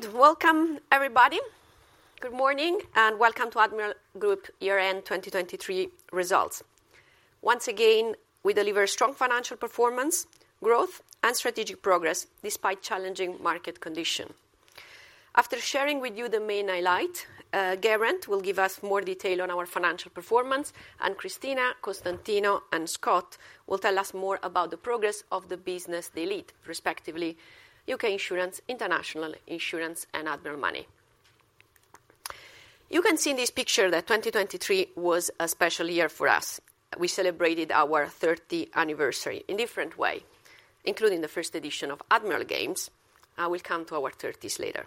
Good. Welcome, everybody. Good morning and welcome to Admiral Group year-end 2023 results. Once again, we deliver strong financial performance, growth, and strategic progress despite challenging market conditions. After sharing with you the main highlight, Geraint will give us more detail on our financial performance, and Cristina, Costantino, and Scott will tell us more about the progress of the business units, respectively U.K. Insurance, International Insurance, and Admiral Money. You can see in this picture that 2023 was a special year for us. We celebrated our 30th anniversary in a different way, including the first edition of Admiral Games. I will come to our 30s later.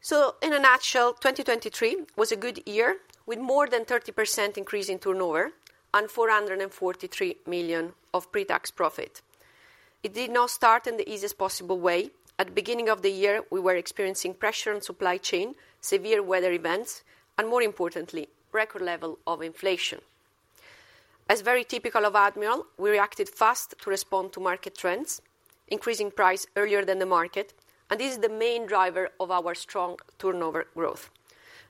So in a nutshell, 2023 was a good year with more than 30% increase in turnover and 443 million of pre-tax profit. It did not start in the easiest possible way. At the beginning of the year, we were experiencing pressure on supply chain, severe weather events, and more importantly, record level of inflation. As very typical of Admiral, we reacted fast to respond to market trends, increasing price earlier than the market. This is the main driver of our strong turnover growth.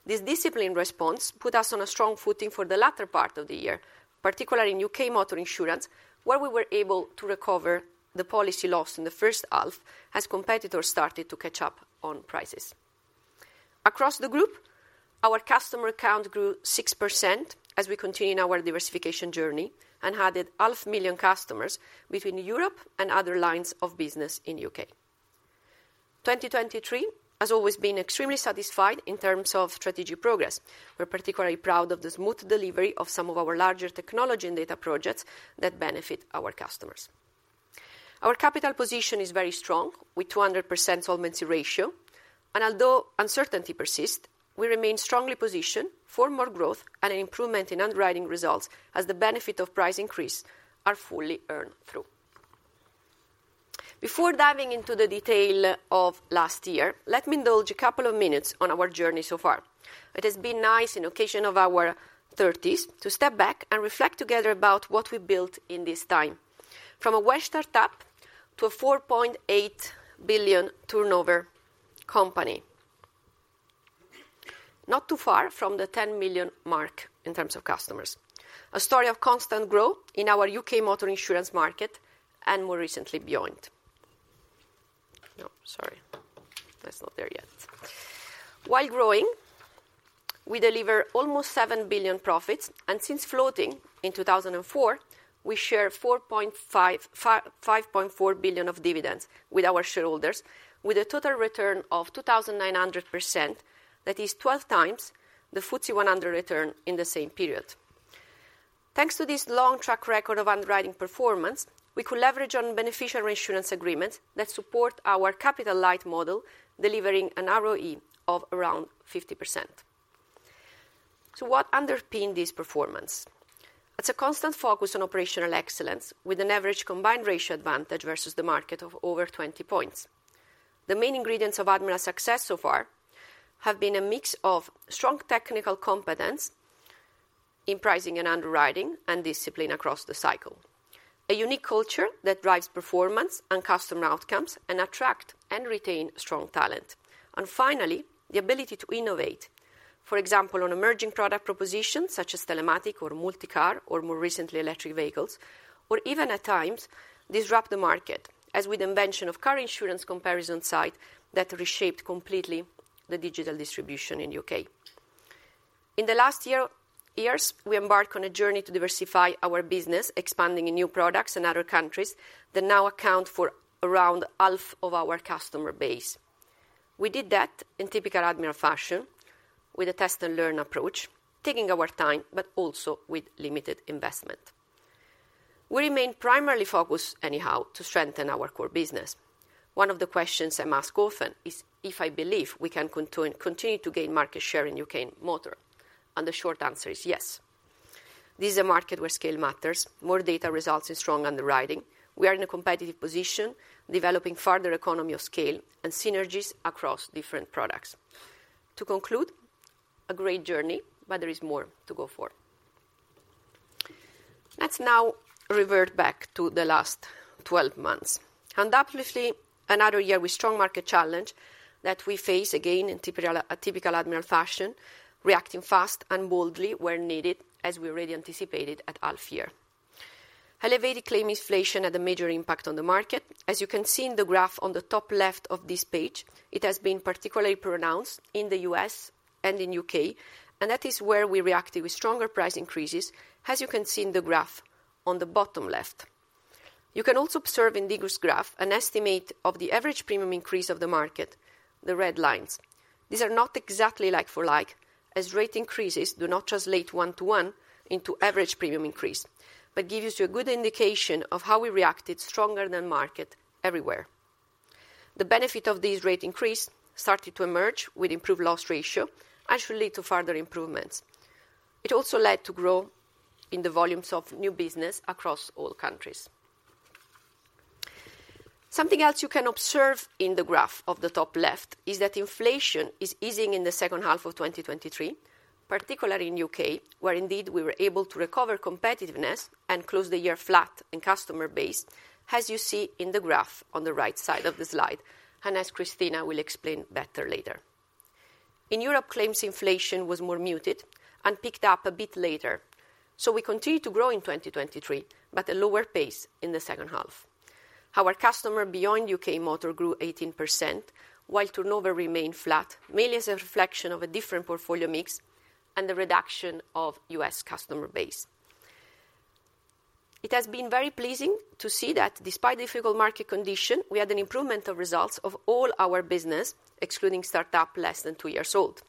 This disciplined response put us on a strong footing for the latter part of the year, particularly in U.K. Motor Insurance, where we were able to recover the policy loss in the first half as competitors started to catch up on prices. Across the group, our customer count grew 6% as we continued our diversification journey and added 500,000 customers between Europe and other lines of business in the U.K. 2023 has always been extremely satisfying in terms of strategic progress. We're particularly proud of the smooth delivery of some of our larger technology and data projects that benefit our customers. Our capital position is very strong with a 200% solvency ratio. Although uncertainty persists, we remain strongly positioned for more growth and an improvement in underwriting results as the benefit of price increase is fully earned through. Before diving into the detail of last year, let me indulge a couple of minutes on our journey so far. It has been nice, in occasion of our 30s, to step back and reflect together about what we built in this time, from a Welsh startup to a 4.8 billion turnover company, not too far from the 10 million mark in terms of customers, a story of constant growth in our U.K. Motor Insurance market and more recently beyond. No, sorry. That's not there yet. While growing, we deliver almost 7 billion profits. Since floating in 2004, we shared 4.4 billion of dividends with our shareholders, with a total return of 2,900%. That is 12 times the FTSE 100 return in the same period. Thanks to this long track record of underwriting performance, we could leverage on beneficial reinsurance agreements that support our capital light model, delivering an ROE of around 50%. So what underpinned this performance? It's a constant focus on operational excellence with an average combined ratio advantage versus the market of over 20 points. The main ingredients of Admiral's success so far have been a mix of strong technical competence in pricing and underwriting and discipline across the cycle, a unique culture that drives performance and customer outcomes and attracts and retains strong talent, and finally, the ability to innovate, for example, on emerging product propositions such as telematics or MultiCar or more recently electric vehicles or even at times disrupt the market as with the invention of car insurance comparison site that reshaped completely the digital distribution in the U.K. In the last years, we embarked on a journey to diversify our business, expanding in new products in other countries that now account for around half of our customer base. We did that in typical Admiral fashion with a test-and-learn approach, taking our time but also with limited investment. We remain primarily focused anyhow to strengthen our core business. One of the questions I'm asked often is if I believe we can continue to gain market share in U.K. Motor. The short answer is yes. This is a market where scale matters. More data results in strong underwriting. We are in a competitive position developing a further economy of scale and synergies across different products. To conclude, a great journey. There is more to go for. Let's now revert back to the last 12 months. Undoubtedly, another year with strong market challenge that we face again in typical Admiral fashion, reacting fast and boldly where needed as we already anticipated at half year. Elevated claim inflation had a major impact on the market. As you can see in the graph on the top left of this page, it has been particularly pronounced in the U.S. and in the U.K. That is where we reacted with stronger price increases as you can see in the graph on the bottom left. You can also observe in this graph an estimate of the average premium increase of the market, the red lines. These are not exactly like-for-like as rate increases do not translate one-to-one into average premium increase but give you a good indication of how we reacted stronger than market everywhere. The benefit of these rate increases started to emerge with improved loss ratio and should lead to further improvements. It also led to growth in the volumes of new business across all countries. Something else you can observe in the graph of the top left is that inflation is easing in the second half of 2023, particularly in the U.K., where indeed we were able to recover competitiveness and close the year flat in customer base as you see in the graph on the right side of the slide. And as Cristina will explain better later, in Europe, claims inflation was more muted and picked up a bit later. So we continued to grow in 2023 but at a lower pace in the second half. Our customer Beyond U.K. Motor grew 18% while turnover remained flat, mainly as a reflection of a different portfolio mix and the reduction of U.S. customer base. It has been very pleasing to see that despite difficult market conditions, we had an improvement of results of all our business, excluding startups less than two years old.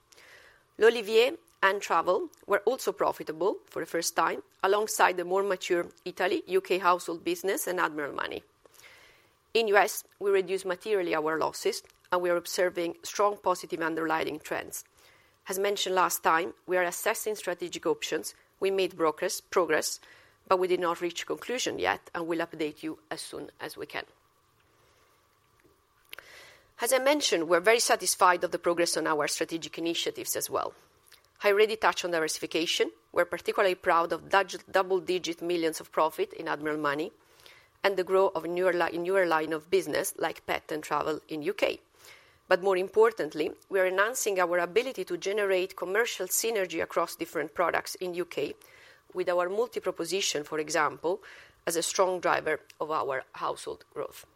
L'Olivier and Travel were also profitable for the first time alongside the more mature Italy, U.K. Household business, and Admiral Money. In the U.S., we reduced materially our losses. We are observing strong positive underlying trends. As mentioned last time, we are assessing strategic options. We made progress. We did not reach a conclusion yet. We'll update you as soon as we can. As I mentioned, we're very satisfied with the progress on our strategic initiatives as well. I already touched on diversification. We're particularly proud of double-digit millions of profit in Admiral Money and the growth in a newer line of business like Pet and Travel in the U.K. But more importantly, we are enhancing our ability to generate commercial synergy across different products in the U.K. with our multi-proposition, for example, as a strong driver of our household growth.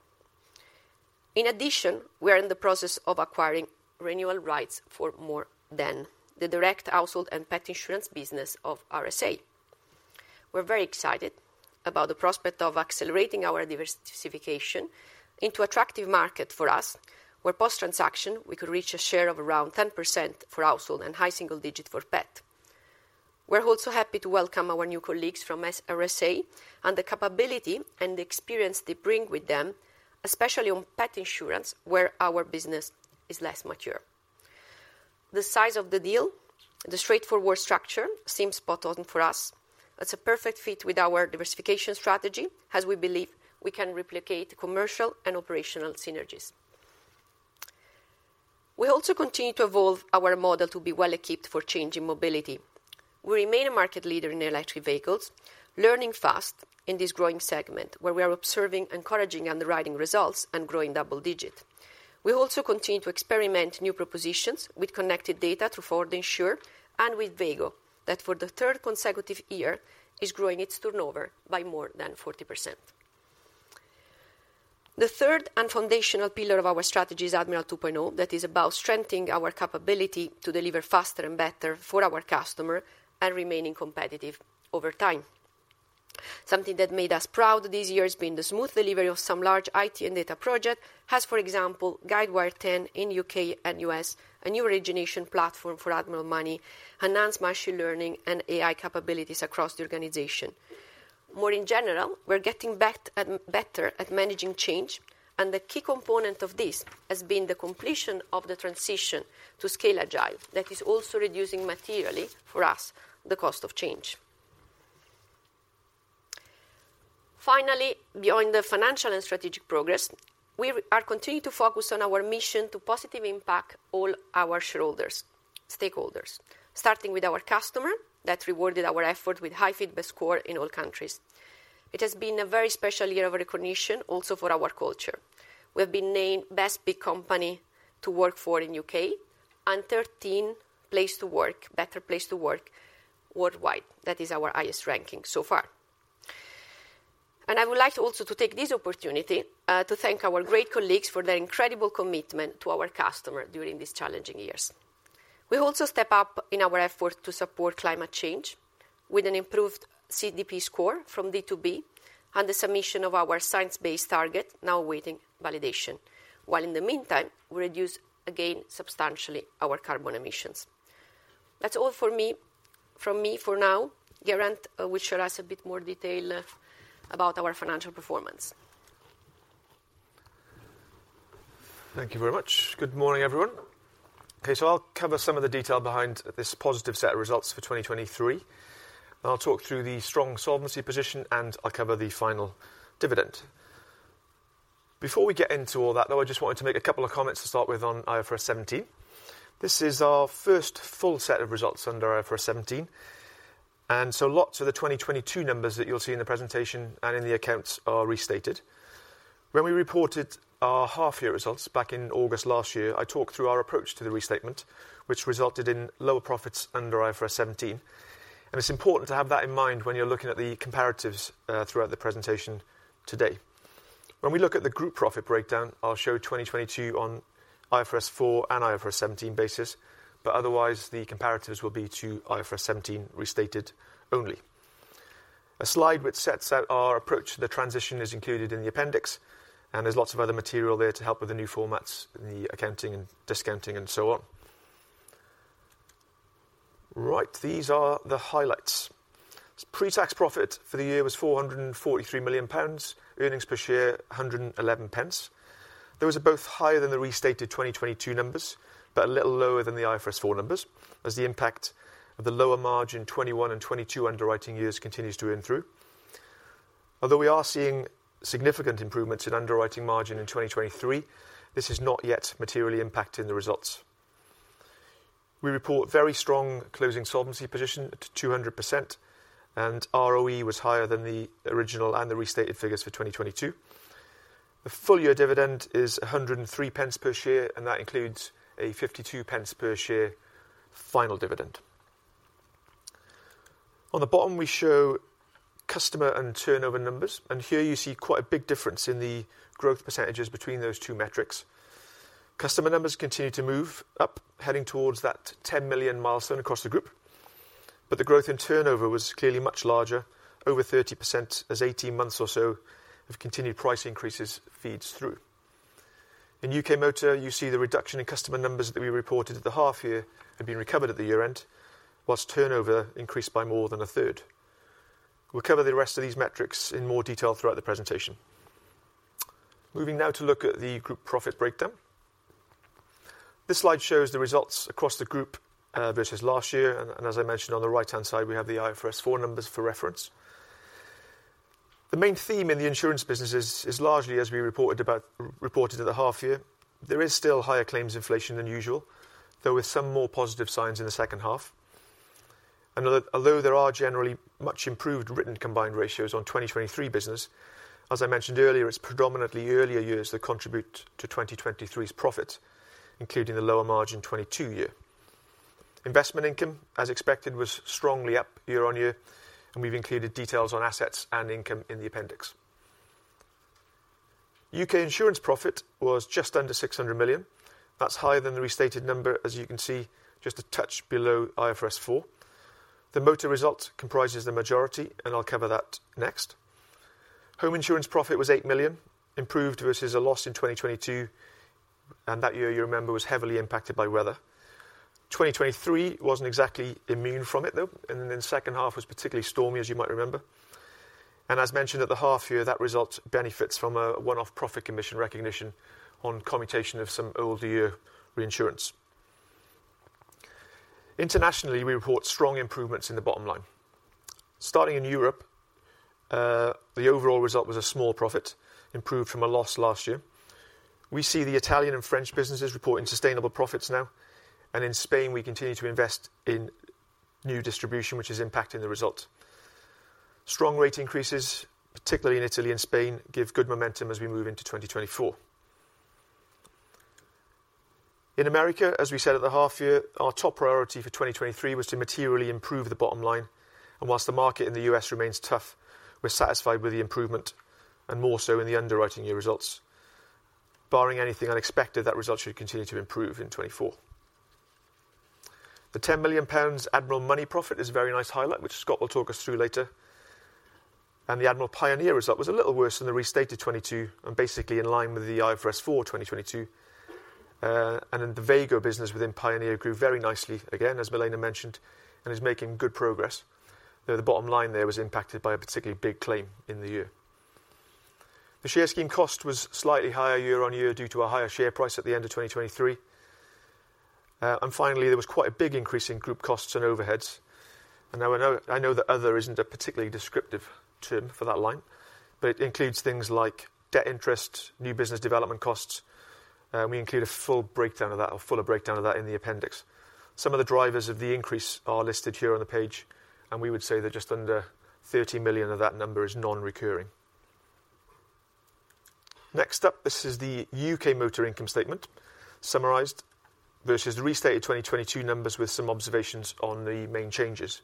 In addition, we are in the process of acquiring renewal rights for MORE THAN the direct household and pet insurance business of RSA. We're very excited about the prospect of accelerating our diversification into an attractive market for us where post-transaction, we could reach a share of around 10% for household and high single-digit for pet. We're also happy to welcome our new colleagues from RSA and the capability and the experience they bring with them, especially on pet insurance where our business is less mature. The size of the deal, the straightforward structure seems spot-on for us. It's a perfect fit with our diversification strategy as we believe we can replicate commercial and operational synergies. We also continue to evolve our model to be well-equipped for change in mobility. We remain a market leader in electric vehicles, learning fast in this growing segment where we are observing encouraging underwriting results and growing double-digit. We also continue to experiment new propositions with connected data through Ford Insure and with Veygo that, for the third consecutive year, is growing its turnover by more than 40%. The third and foundational pillar of our strategy is Admiral 2.0. That is about strengthening our capability to deliver faster and better for our customer and remaining competitive over time. Something that made us proud this year has been the smooth delivery of some large IT and data projects as, for example, Guidewire 10 in the U.K. and U.S., a new origination platform for Admiral Money, enhanced machine learning, and AI capabilities across the organization. More generally, we're getting better at managing change. The key component of this has been the completion of the transition to Scaled Agile. That is also reducing materially for us the cost of change. Finally, beyond the financial and strategic progress, we are continuing to focus on our mission to positively impact all our shareholders, stakeholders, starting with our customer that rewarded our efforts with a high Fitch best score in all countries. It has been a very special year of recognition also for our culture. We have been named Best Big Company to Work For in the U.K. and 13th best place to work worldwide. That is our highest ranking so far. I would like also to take this opportunity to thank our great colleagues for their incredible commitment to our customer during these challenging years. We also step up in our efforts to support climate change with an improved CDP Score from D to B and the submission of our science-based target now awaiting validation. While in the meantime, we reduce again substantially our carbon emissions. That's all from me for now. Geraint will share with us a bit more detail about our financial performance. Thank you very much. Good morning, everyone. OK, so I'll cover some of the detail behind this positive set of results for 2023. I'll talk through the strong solvency position. I'll cover the final dividend. Before we get into all that, though, I just wanted to make a couple of comments to start with on IFRS 17. This is our first full set of results under IFRS 17. So lots of the 2022 numbers that you'll see in the presentation and in the accounts are restated. When we reported our half-year results back in August last year, I talked through our approach to the restatement, which resulted in lower profits under IFRS 17. It's important to have that in mind when you're looking at the comparatives throughout the presentation today. When we look at the group profit breakdown, I'll show 2022 on IFRS 4 and IFRS 17 basis. Otherwise, the comparatives will be to IFRS 17 restated only. A slide which sets out our approach to the transition is included in the appendix. There's lots of other material there to help with the new formats in the accounting and discounting and so on. Right, these are the highlights. Pre-tax profit for the year was 443 million pounds, earnings per share 111. Those are both higher than the restated 2022 numbers but a little lower than the IFRS 4 numbers as the impact of the lower margin in 2021 and 2022 underwriting years continues to earn through. Although we are seeing significant improvements in underwriting margin in 2023, this is not yet materially impacting the results. We report very strong closing solvency position at 200%. ROE was higher than the original and the restated figures for 2022. The full-year dividend is 103 per share. That includes a 0.52 per share final dividend. On the bottom, we show customer and turnover numbers. Here you see quite a big difference in the growth percentages between those two metrics. Customer numbers continue to move up, heading towards that 10 million milestone across the group. But the growth in turnover was clearly much larger, over 30%, as 18 months or so of continued price increases feeds through. In U.K. Motor, you see the reduction in customer numbers that we reported at the half year had been recovered at the year-end while turnover increased by more than a third. We'll cover the rest of these metrics in more detail throughout the presentation. Moving now to look at the group profit breakdown. This slide shows the results across the group versus last year. As I mentioned, on the right-hand side, we have the IFRS 4 numbers for reference. The main theme in the insurance businesses is largely, as we reported at the half year, there is still higher claims inflation than usual, though with some more positive signs in the second half. Although there are generally much improved written combined ratios on 2023 business, as I mentioned earlier, it's predominantly earlier years that contribute to 2023's profits, including the lower margin 2022 year. Investment income, as expected, was strongly up year-on-year. We've included details on assets and income in the appendix. U.K. insurance profit was just under 600 million. That's higher than the restated number, as you can see, just a touch below IFRS 4. The Motor results comprise the majority. I'll cover that next. Home insurance profit was 8 million, improved versus a loss in 2022. That year, you remember, was heavily impacted by weather. 2023 wasn't exactly immune from it, though. Then the second half was particularly stormy, as you might remember. As mentioned at the half year, that result benefits from a one-off profit commission recognition on commutation of some older year reinsurance. Internationally, we report strong improvements in the bottom line. Starting in Europe, the overall result was a small profit, improved from a loss last year. We see the Italian and French businesses reporting sustainable profits now. In Spain, we continue to invest in new distribution, which is impacting the results. Strong rate increases, particularly in Italy and Spain, give good momentum as we move into 2024. In America, as we said at the half year, our top priority for 2023 was to materially improve the bottom line. While the market in the U.S. remains tough, we're satisfied with the improvement and more so in the underwriting year results. Barring anything unexpected, that result should continue to improve in 2024. The 10 million pounds Admiral Money profit is a very nice highlight, which Scott will talk us through later. The Admiral Pioneer result was a little worse than the restated 2022 and basically in line with the IFRS 4 2022. Then the Veygo business within Pioneer grew very nicely again, as Milena mentioned, and is making good progress. Though the bottom line there was impacted by a particularly big claim in the year. The share scheme cost was slightly higher year-on-year due to a higher share price at the end of 2023. And finally, there was quite a big increase in group costs and overheads. Now I know that "other" isn't a particularly descriptive term for that line. But it includes things like debt interest, new business development costs. And we include a full breakdown of that or fuller breakdown of that in the appendix. Some of the drivers of the increase are listed here on the page. And we would say that just under 30 million of that number is non-recurring. Next up, this is the U.K. Motor income statement summarized versus the restated 2022 numbers with some observations on the main changes.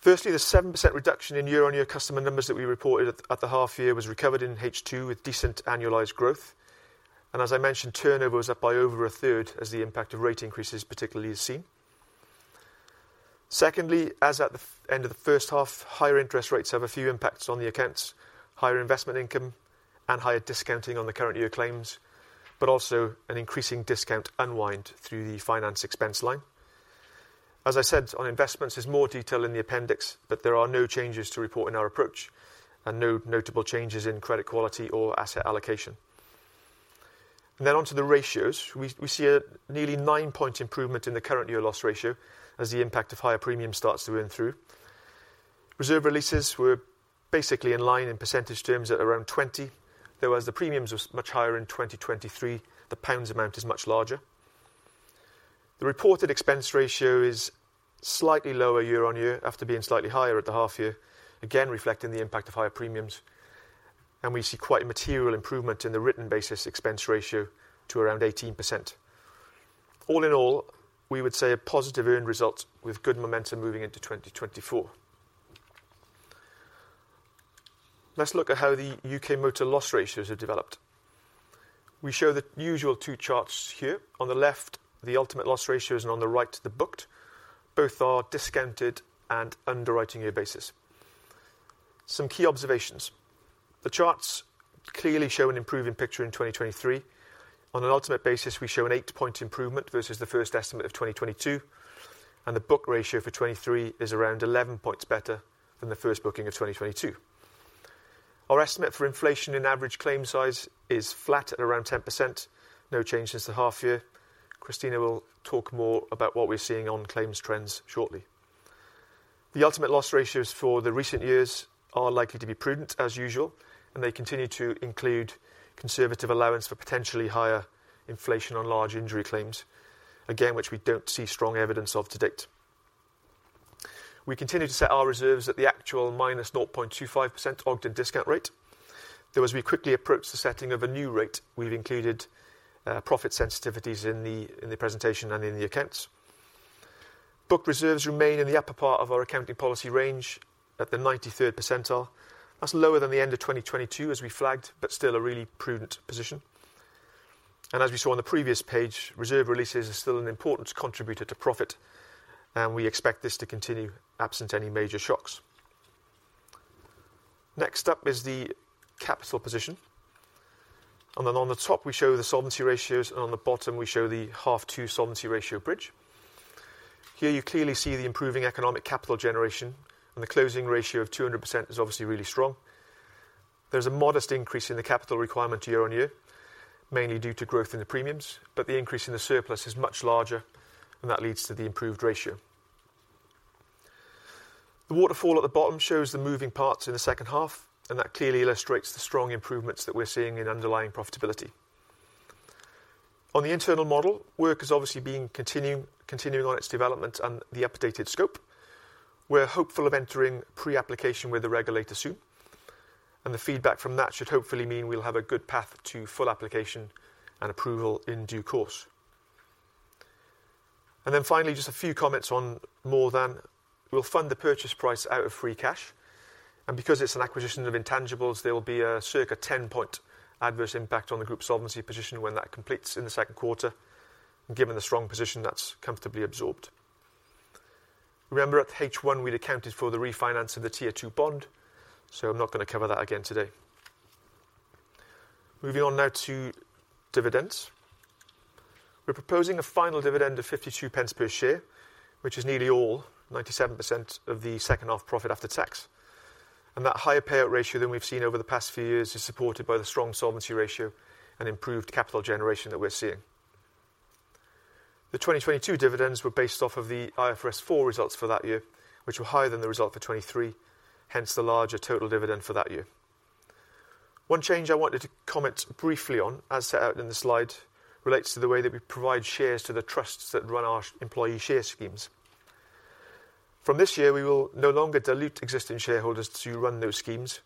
Firstly, the 7% reduction in year-on-year customer numbers that we reported at the half year was recovered in H2 with decent annualized growth. And as I mentioned, turnover was up by over a third as the impact of rate increases particularly is seen. Secondly, as at the end of the first half, higher interest rates have a few impacts on the accounts, higher investment income, and higher discounting on the current year claims, but also an increasing discount unwound through the finance expense line. As I said, on investments, there's more detail in the appendix. But there are no changes to report in our approach and no notable changes in credit quality or asset allocation. And then onto the ratios. We see a nearly 9-point improvement in the current year loss ratio as the impact of higher premiums starts to earn through. Reserve releases were basically in line in percentage terms at around 20%. Though as the premiums were much higher in 2023, the pounds amount is much larger. The reported expense ratio is slightly lower year on year after being slightly higher at the half year, again reflecting the impact of higher premiums. We see quite a material improvement in the written basis expense ratio to around 18%. All in all, we would say a positive earned result with good momentum moving into 2024. Let's look at how the U.K. Motor loss ratios have developed. We show the usual 2 charts here. On the left, the ultimate loss ratios. On the right, the booked. Both are discounted and underwriting year basis. Some key observations. The charts clearly show an improving picture in 2023. On an ultimate basis, we show an 8-point improvement versus the first estimate of 2022. The booked ratio for 2023 is around 11 points better than the first booking of 2022. Our estimate for inflation in average claim size is flat at around 10%, no change since the half year. Cristina will talk more about what we're seeing on claims trends shortly. The ultimate loss ratios for the recent years are likely to be prudent, as usual. They continue to include conservative allowance for potentially higher inflation on large injury claims, again, which we don't see strong evidence of to date. We continue to set our reserves at the actual -0.25%0.25% Ogden discount rate. Though as we quickly approach the setting of a new rate, we've included profit sensitivities in the presentation and in the accounts. Book reserves remain in the upper part of our accounting policy range at the 93rd percentile. That's lower than the end of 2022 as we flagged, but still a really prudent position. As we saw on the previous page, reserve releases are still an important contributor to profit. We expect this to continue absent any major shocks. Next up is the capital position. Then on the top, we show the solvency ratios. On the bottom, we show the H2 solvency ratio bridge. Here you clearly see the improving economic capital generation. The closing ratio of 200% is obviously really strong. There's a modest increase in the capital requirement year-on-year, mainly due to growth in the premiums. But the increase in the surplus is much larger. That leads to the improved ratio. The waterfall at the bottom shows the moving parts in the second half. That clearly illustrates the strong improvements that we're seeing in underlying profitability. On the internal model, work is obviously being continuing on its development and the updated scope. We're hopeful of entering pre-application with a regulator soon. The feedback from that should hopefully mean we'll have a good path to full application and approval in due course. Then finally, just a few comments on MORE THAN. We'll fund the purchase price out of free cash. Because it's an acquisition of intangibles, there will be a circa 10-point adverse impact on the group solvency position when that completes in the second quarter. Given the strong position, that's comfortably absorbed. Remember, at H1, we'd accounted for the refinance of the Tier 2 bond. I'm not going to cover that again today. Moving on now to dividends. We're proposing a final dividend of 0.52 per share, which is nearly all, 97% of the second half profit after tax. That higher payout ratio than we've seen over the past few years is supported by the strong solvency ratio and improved capital generation that we're seeing. The 2022 dividends were based off of the IFRS 4 results for that year, which were higher than the result for 2023, hence the larger total dividend for that year. One change I wanted to comment briefly on, as set out in the slide, relates to the way that we provide shares to the trusts that run our employee share schemes. From this year, we will no longer dilute existing shareholders to run those schemes.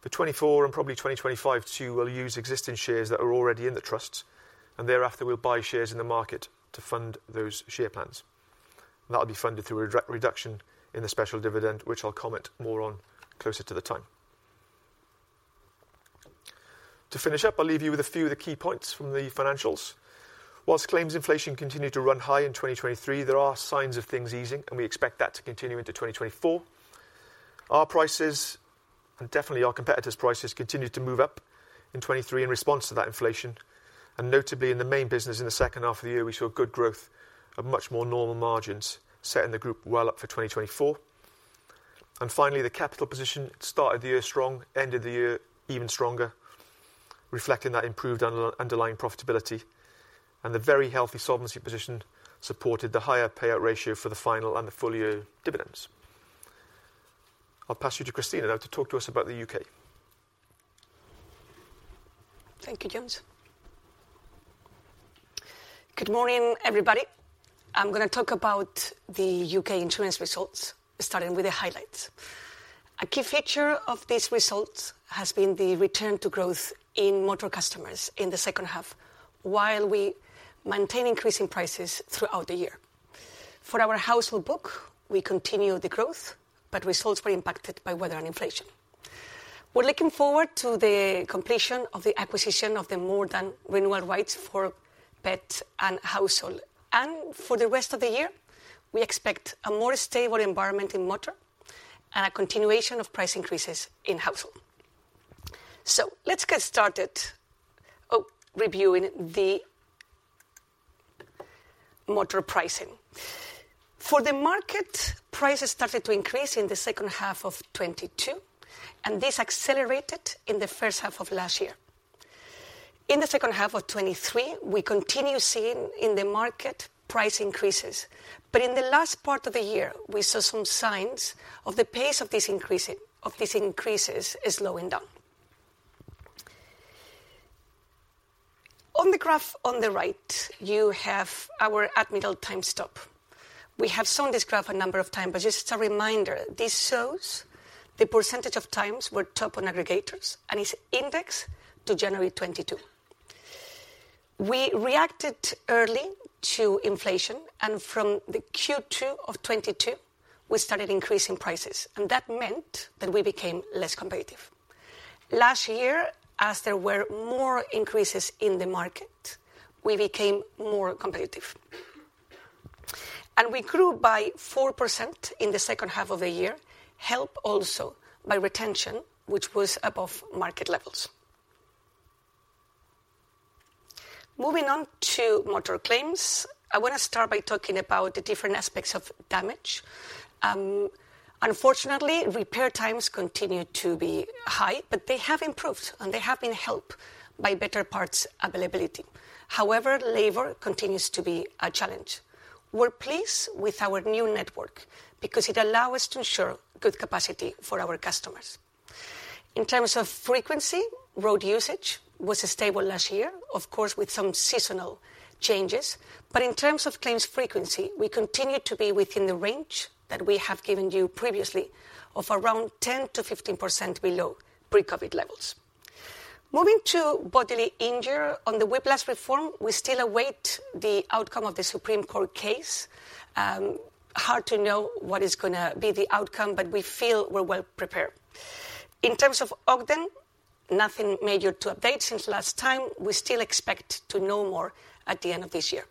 For 2024 and probably 2025 too, we'll use existing shares that are already in the trusts. And thereafter, we'll buy shares in the market to fund those share plans. And that'll be funded through a reduction in the special dividend, which I'll comment more on closer to the time. To finish up, I'll leave you with a few of the key points from the financials. While claims inflation continued to run high in 2023, there are signs of things easing. We expect that to continue into 2024. Our prices, and definitely our competitors' prices, continued to move up in 2023 in response to that inflation. Notably, in the main business in the second half of the year, we saw good growth of much more normal margins, setting the group well up for 2024. Finally, the capital position started the year strong, ended the year even stronger, reflecting that improved underlying profitability. The very healthy solvency position supported the higher payout ratio for the final and the full year dividends. I'll pass you to Cristina now to talk to us about the U.K. Thank you, Jones. Good morning, everybody. I'm going to talk about the U.K. insurance results, starting with the highlights. A key feature of these results has been the return to growth in Motor customers in the second half while we maintain increasing prices throughout the year. For our household book, we continue the growth, but results were impacted by weather and inflation. We're looking forward to the completion of the acquisition of the MORE THAN renewal rights for pet and household. For the rest of the year, we expect a more stable environment in Motor and a continuation of price increases in household. Let's get started reviewing the Motor pricing. For the market, prices started to increase in the second half of 2022. This accelerated in the first half of last year. In the second half of 2023, we continue seeing in the market price increases. But in the last part of the year, we saw some signs of the pace of these increases slowing down. On the graph on the right, you have our Admiral top time. We have shown this graph a number of times. But just as a reminder, this shows the percentage of times we're top on aggregators and is indexed to January 2022. We reacted early to inflation. And from the Q2 of 2022, we started increasing prices. And that meant that we became less competitive. Last year, as there were more increases in the market, we became more competitive. And we grew by 4% in the second half of the year, helped also by retention, which was above market levels. Moving on to Motor claims, I want to start by talking about the different aspects of damage. Unfortunately, repair times continue to be high. But they have improved. They have been helped by better parts availability. However, labor continues to be a challenge. We're pleased with our new network because it allows us to ensure good capacity for our customers. In terms of frequency, road usage was stable last year, of course, with some seasonal changes. In terms of claims frequency, we continue to be within the range that we have given you previously of around 10%-15% below pre-COVID levels. Moving to bodily injury on the Whiplash Reform, we still await the outcome of the Supreme Court case. Hard to know what is going to be the outcome. We feel we're well prepared. In terms of Ogden, nothing major to update since last time. We still expect to know more at the end of this year.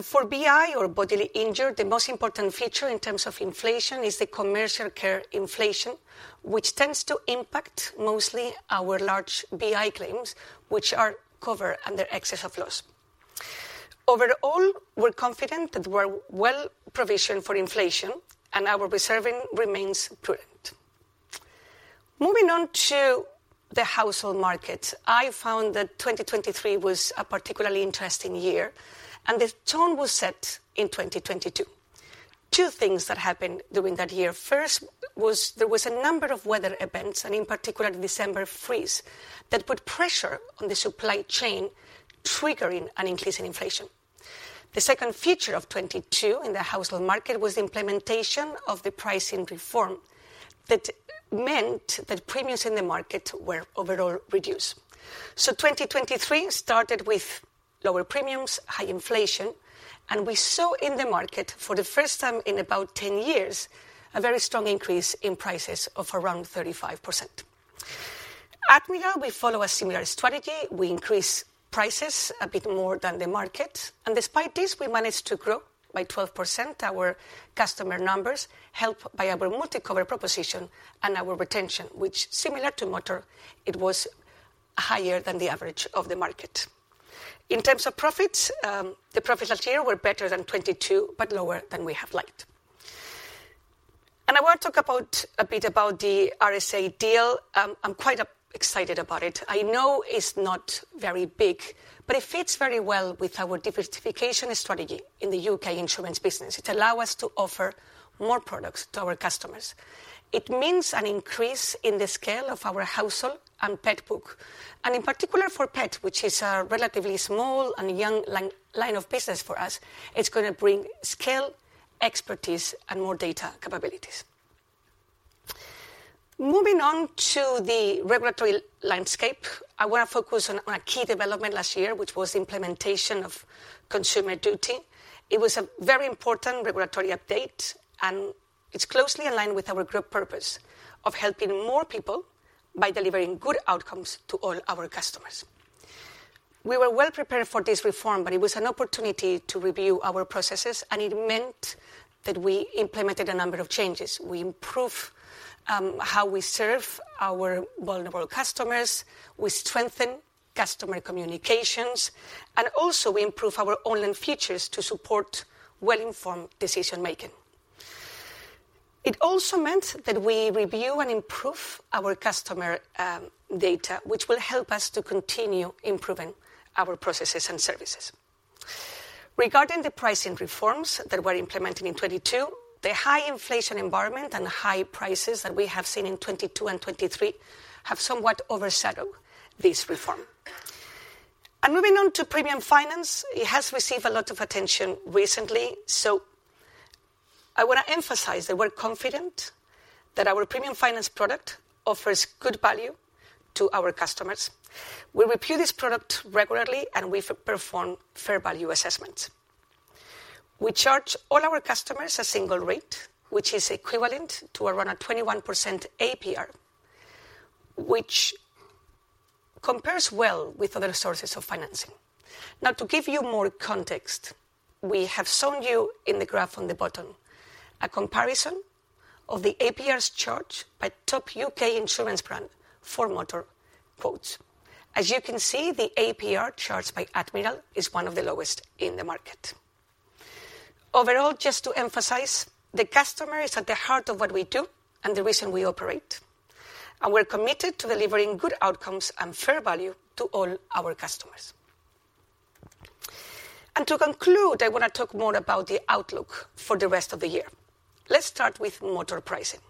For BI, or bodily injury, the most important feature in terms of inflation is the commercial care inflation, which tends to impact mostly our large BI claims, which are covered under excess of loss. Overall, we're confident that we're well provisioned for inflation. Our reserving remains prudent. Moving on to the household markets, I found that 2023 was a particularly interesting year. The tone was set in 2022. Two things that happened during that year. First, there was a number of weather events, and in particular, December freeze, that put pressure on the supply chain, triggering an increase in inflation. The second feature of 2022 in the household market was the implementation of the pricing reform that meant that premiums in the market were overall reduced. 2023 started with lower premiums, high inflation. We saw in the market for the first time in about 10 years a very strong increase in prices of around 35%. At Admiral, we follow a similar strategy. We increase prices a bit more than the market. And despite this, we managed to grow by 12% our customer numbers, helped by our MultiCover proposition and our retention, which, similar to Motor, it was higher than the average of the market. In terms of profits, the profits last year were better than 2022 but lower than we have liked. I want to talk a bit about the RSA deal. I'm quite excited about it. I know it's not very big. But it fits very well with our diversification strategy in the U.K. insurance business. It allows us to offer more products to our customers. It means an increase in the scale of our household and pet book. In particular, for pet, which is a relatively small and young line of business for us, it's going to bring scale, expertise, and more data capabilities. Moving on to the regulatory landscape, I want to focus on a key development last year, which was the implementation of Consumer Duty. It was a very important regulatory update. It's closely in line with our group purpose of helping more people by delivering good outcomes to all our customers. We were well prepared for this reform. It was an opportunity to review our processes. It meant that we implemented a number of changes. We improved how we serve our vulnerable customers. We strengthened customer communications. Also, we improved our online features to support well-informed decision-making. It also meant that we review and improve our customer data, which will help us to continue improving our processes and services. Regarding the pricing reforms that we're implementing in 2022, the high inflation environment and high prices that we have seen in 2022 and 2023 have somewhat overshadowed this reform. Moving on to premium finance, it has received a lot of attention recently. I want to emphasize that we're confident that our premium finance product offers good value to our customers. We review this product regularly. We perform fair value assessments. We charge all our customers a single rate, which is equivalent to around a 21% APR, which compares well with other sources of financing. Now, to give you more context, we have shown you in the graph on the bottom a comparison of the APRs charged by top U.K. insurance brand for Motor quotes. As you can see, the APR charged by Admiral is one of the lowest in the market. Overall, just to emphasize, the customer is at the heart of what we do and the reason we operate. We're committed to delivering good outcomes and fair value to all our customers. To conclude, I want to talk more about the outlook for the rest of the year. Let's start with Motor pricing.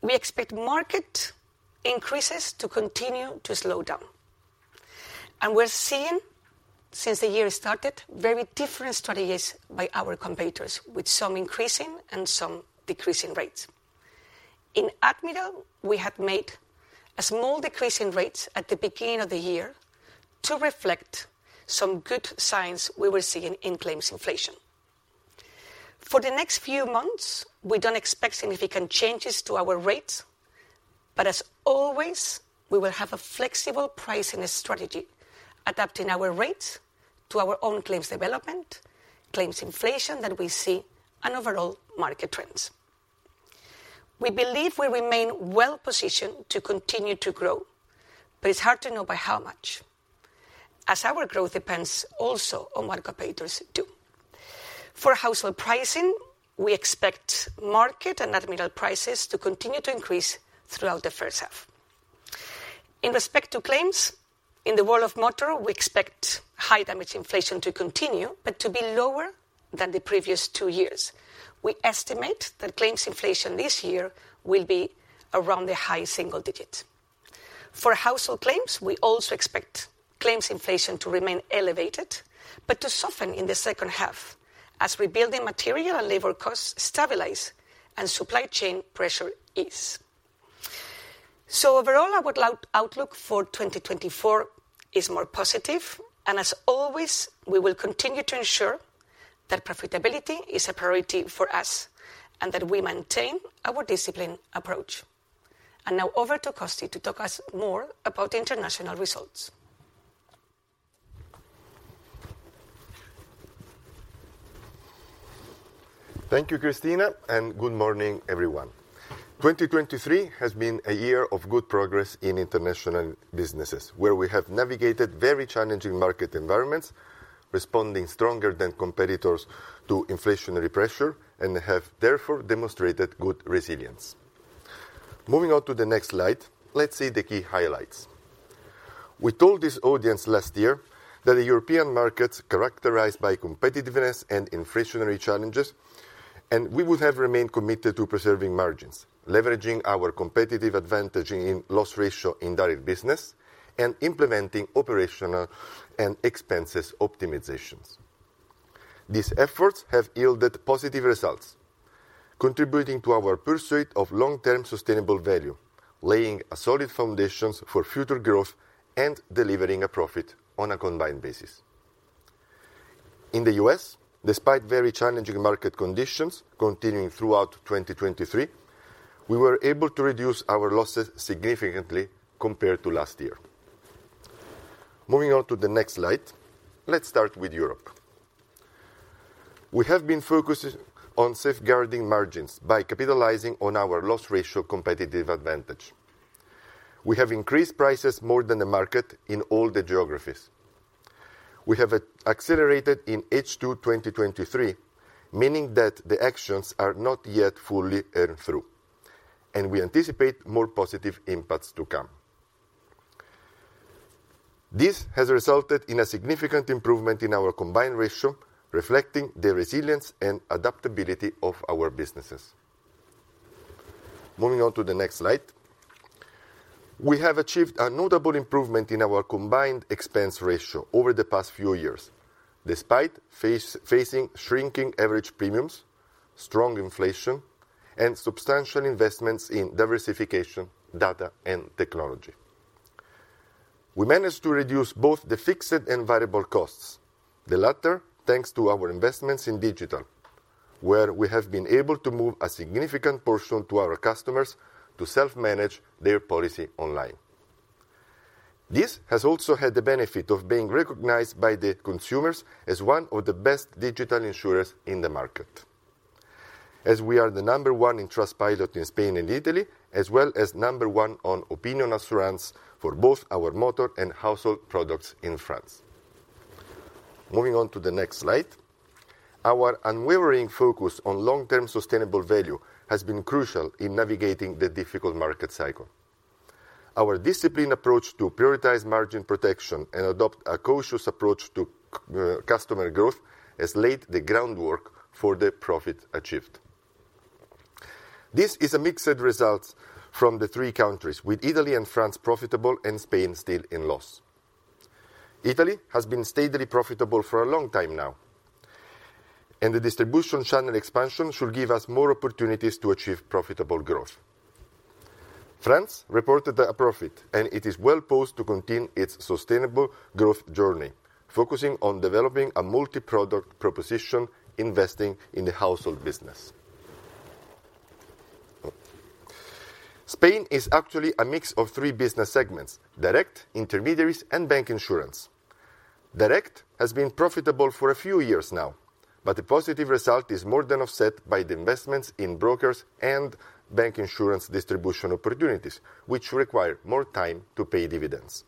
We expect market increases to continue to slow down. We're seeing, since the year started, very different strategies by our competitors, with some increasing and some decreasing rates. In Admiral, we had made a small decrease in rates at the beginning of the year to reflect some good signs we were seeing in claims inflation. For the next few months, we don't expect significant changes to our rates. But as always, we will have a flexible pricing strategy adapting our rates to our own claims development, claims inflation that we see, and overall market trends. We believe we remain well positioned to continue to grow. But it's hard to know by how much, as our growth depends also on what competitors do. For household pricing, we expect market and Admiral prices to continue to increase throughout the first half. In respect to claims, in the world of Motor, we expect high damage inflation to continue but to be lower than the previous two years. We estimate that claims inflation this year will be around the high single digit. For household claims, we also expect claims inflation to remain elevated but to soften in the second half as rebuilding material and labor costs stabilize and supply chain pressure ease. So overall, our outlook for 2024 is more positive. As always, we will continue to ensure that profitability is a priority for us and that we maintain our disciplined approach. Now over to Costi to talk us more about international results. Thank you, Cristina. Good morning, everyone. 2023 has been a year of good progress in international businesses, where we have navigated very challenging market environments, responding stronger than competitors to inflationary pressure, and have, therefore, demonstrated good resilience. Moving on to the next slide, let's see the key highlights. We told this audience last year that the European markets are characterized by competitiveness and inflationary challenges. We would have remained committed to preserving margins, leveraging our competitive advantage in loss ratio in direct business, and implementing operational and expenses optimizations. These efforts have yielded positive results, contributing to our pursuit of long-term sustainable value, laying a solid foundation for future growth, and delivering a profit on a combined basis. In the U.S., despite very challenging market conditions continuing throughout 2023, we were able to reduce our losses significantly compared to last year. Moving on to the next slide, let's start with Europe. We have been focusing on safeguarding margins by capitalizing on our loss ratio competitive advantage. We have increased prices more than the market in all the geographies. We have accelerated in H2 2023, meaning that the actions are not yet fully earned through. We anticipate more positive impacts to come. This has resulted in a significant improvement in our combined ratio, reflecting the resilience and adaptability of our businesses. Moving on to the next slide, we have achieved a notable improvement in our combined expense ratio over the past few years, despite facing shrinking average premiums, strong inflation, and substantial investments in diversification, data, and technology. We managed to reduce both the fixed and variable costs, the latter thanks to our investments in digital, where we have been able to move a significant portion to our customers to self-manage their policy online. This has also had the benefit of being recognized by the consumers as one of the best digital insurers in the market, as we are the number one in Trustpilot in Spain and Italy, as well as number one on Opinion Assurances for both our Motor and household products in France. Moving on to the next slide, our unwavering focus on long-term sustainable value has been crucial in navigating the difficult market cycle. Our disciplined approach to prioritize margin protection and adopt a cautious approach to customer growth has laid the groundwork for the profit achieved. This is a mixed set of results from the three countries, with Italy and France profitable and Spain still in loss. Italy has been steadily profitable for a long time now. The distribution channel expansion should give us more opportunities to achieve profitable growth. France reported a profit. It is well posed to continue its sustainable growth journey, focusing on developing a multi-product proposition investing in the household business. Spain is actually a mix of three business segments: direct, intermediaries, and bancassurance. Direct has been profitable for a few years now. The positive result is more than offset by the investments in brokers and bancassurance distribution opportunities, which require more time to pay dividends.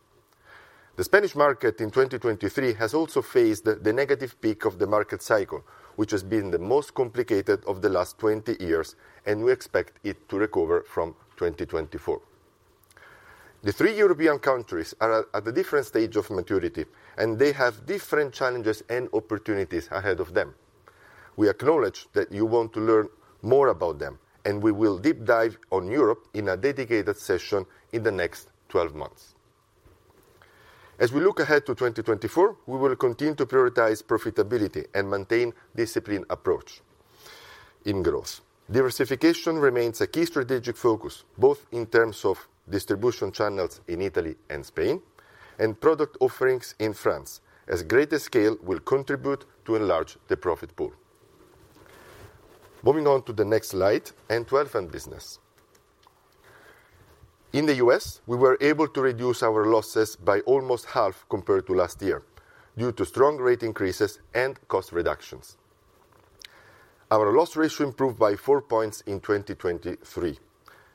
The Spanish market in 2023 has also faced the negative peak of the market cycle, which has been the most complicated of the last 20 years. We expect it to recover from 2024. The three European countries are at a different stage of maturity. They have different challenges and opportunities ahead of them. We acknowledge that you want to learn more about them. We will deep dive on Europe in a dedicated session in the next 12 months. As we look ahead to 2024, we will continue to prioritize profitability and maintain a disciplined approach in growth. Diversification remains a key strategic focus, both in terms of distribution channels in Italy and Spain and product offerings in France, as greater scale will contribute to enlarge the profit pool. Moving on to the next slide and to the health and business. In the U.S., we were able to reduce our losses by almost half compared to last year due to strong rate increases and cost reductions. Our loss ratio improved by 4 points in 2023,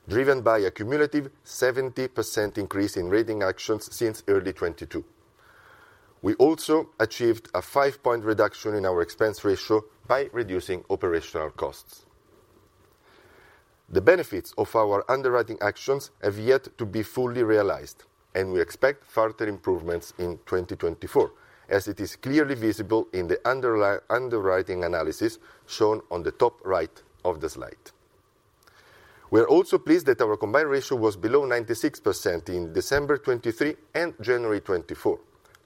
driven by a cumulative 70% increase in rating actions since early 2022. We also achieved a 5-point reduction in our expense ratio by reducing operational costs. The benefits of our underwriting actions have yet to be fully realized. We expect further improvements in 2024, as it is clearly visible in the underwriting analysis shown on the top right of the slide. We are also pleased that our combined ratio was below 96% in December 2023 and January 2024.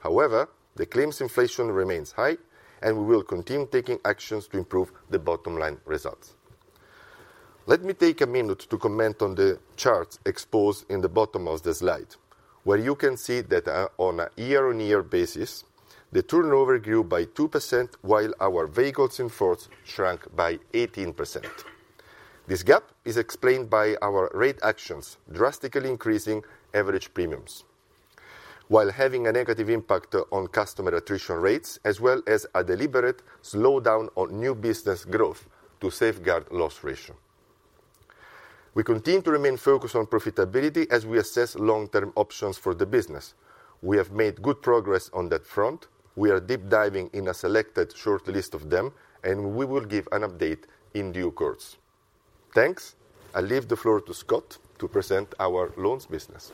However, the claims inflation remains high. We will continue taking actions to improve the bottom line results. Let me take a minute to comment on the charts exposed in the bottom of the slide, where you can see that on a year-on-year basis, the turnover grew by 2% while our vehicles in force shrank by 18%. This gap is explained by our rate actions drastically increasing average premiums while having a negative impact on customer attrition rates, as well as a deliberate slowdown on new business growth to safeguard loss ratio. We continue to remain focused on profitability as we assess long-term options for the business. We have made good progress on that front. We are deep diving in a selected short list of them. We will give an update in due course. Thanks. I'll leave the floor to Scott to present our loans business.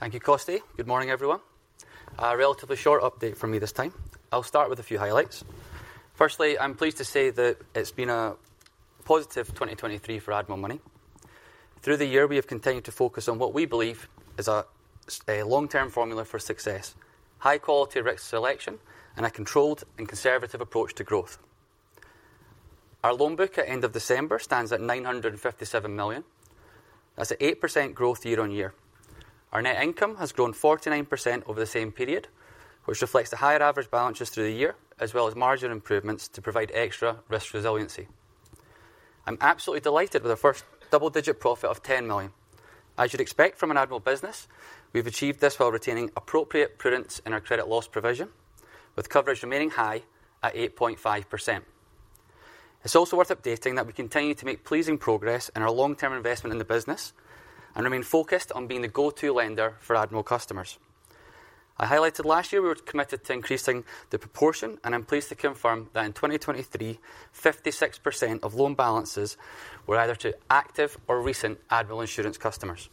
Thank you, Costi. Good morning, everyone. A relatively short update from me this time. I'll start with a few highlights. Firstly, I'm pleased to say that it's been a positive 2023 for Admiral Money. Through the year, we have continued to focus on what we believe is a long-term formula for success, high-quality risk selection, and a controlled and conservative approach to growth. Our loan book at the end of December stands at 957 million. That's an 8% growth year-on-year. Our net income has grown 49% over the same period, which reflects the higher average balances through the year, as well as margin improvements to provide extra risk resiliency. I'm absolutely delighted with our first double-digit profit of 10 million. As you'd expect from an Admiral business, we've achieved this while retaining appropriate prudence in our credit loss provision, with coverage remaining high at 8.5%. It's also worth updating that we continue to make pleasing progress in our long-term investment in the business and remain focused on being the go-to lender for Admiral customers. I highlighted last year we were committed to increasing the proportion. And I'm pleased to confirm that in 2023, 56% of loan balances were either to active or recent Admiral insurance customers.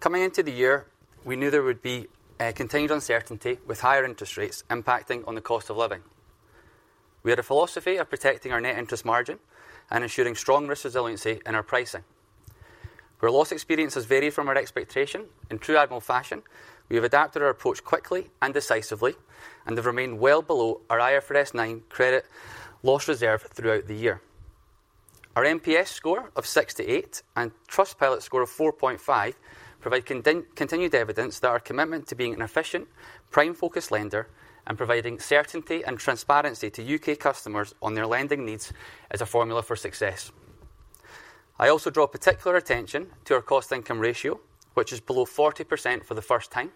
Coming into the year, we knew there would be continued uncertainty with higher interest rates impacting on the cost of living. We had a philosophy of protecting our net interest margin and ensuring strong risk resiliency in our pricing. Where loss experiences vary from our expectation, in true Admiral fashion, we have adapted our approach quickly and decisively and have remained well below our IFRS 9 credit loss reserve throughout the year. Our NPS score of 68 and Trustpilot score of 4.5 provide continued evidence that our commitment to being an efficient, prime-focused lender and providing certainty and transparency to U.K. customers on their lending needs is a formula for success. I also draw particular attention to our cost-income ratio, which is below 40% for the first time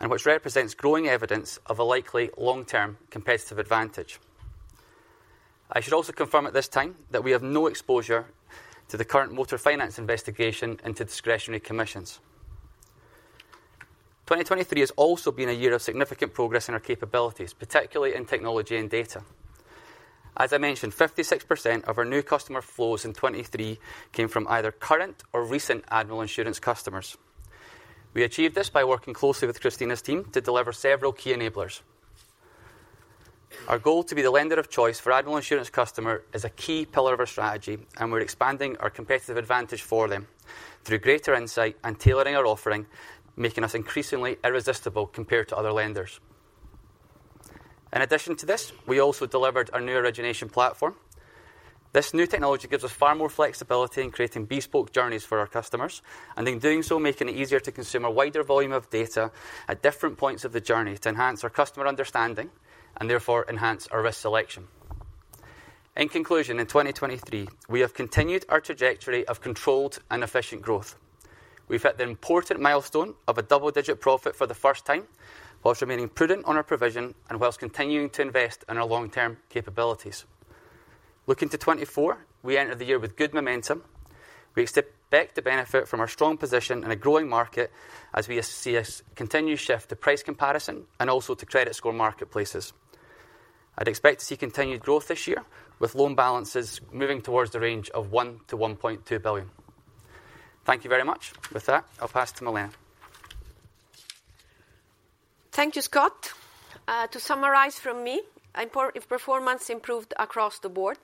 and which represents growing evidence of a likely long-term competitive advantage. I should also confirm at this time that we have no exposure to the current motor finance investigation into discretionary commissions. 2023 has also been a year of significant progress in our capabilities, particularly in technology and data. As I mentioned, 56% of our new customer flows in 2023 came from either current or recent Admiral insurance customers. We achieved this by working closely with Cristina's team to deliver several key enablers. Our goal to be the lender of choice for Admiral insurance customers is a key pillar of our strategy. We're expanding our competitive advantage for them through greater insight and tailoring our offering, making us increasingly irresistible compared to other lenders. In addition to this, we also delivered our new origination platform. This new technology gives us far more flexibility in creating bespoke journeys for our customers. And in doing so, making it easier to consume a wider volume of data at different points of the journey to enhance our customer understanding and, therefore, enhance our risk selection. In conclusion, in 2023, we have continued our trajectory of controlled and efficient growth. We've hit the important milestone of a double-digit profit for the first time while remaining prudent on our provision and while continuing to invest in our long-term capabilities. Looking to 2024, we enter the year with good momentum. We expect to benefit from our strong position in a growing market as we see a continued shift to price comparison and also to credit score marketplaces. I'd expect to see continued growth this year, with loan balances moving towards the range of 1 billion-1.2 billion. Thank you very much. With that, I'll pass to Milena. Thank you, Scott. To summarize from me, performance improved across the board.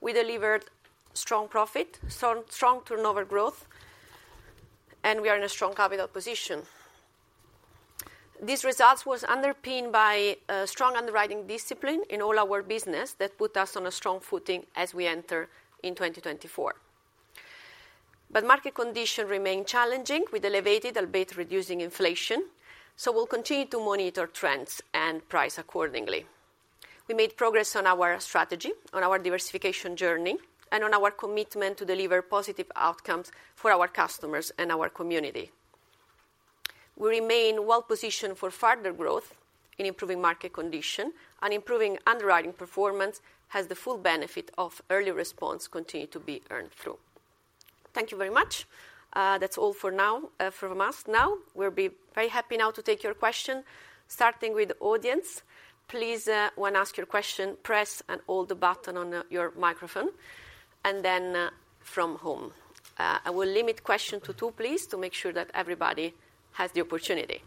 We delivered strong profit, strong turnover growth, and we are in a strong capital position. These results were underpinned by strong underwriting discipline in all our business that put us on a strong footing as we enter in 2024. But market conditions remain challenging, with elevated albeit reducing inflation. So we'll continue to monitor trends and price accordingly. We made progress on our strategy, on our diversification journey, and on our commitment to deliver positive outcomes for our customers and our community. We remain well positioned for further growth in improving market condition. And improving underwriting performance has the full benefit of early response continuing to be earned through. Thank you very much. That's all for now from us. Now, we'll be very happy now to take your questions, starting with the audience. Please, when asking your question, press and hold the button on your microphone. And then from home. I will limit questions to two, please, to make sure that everybody has the opportunity.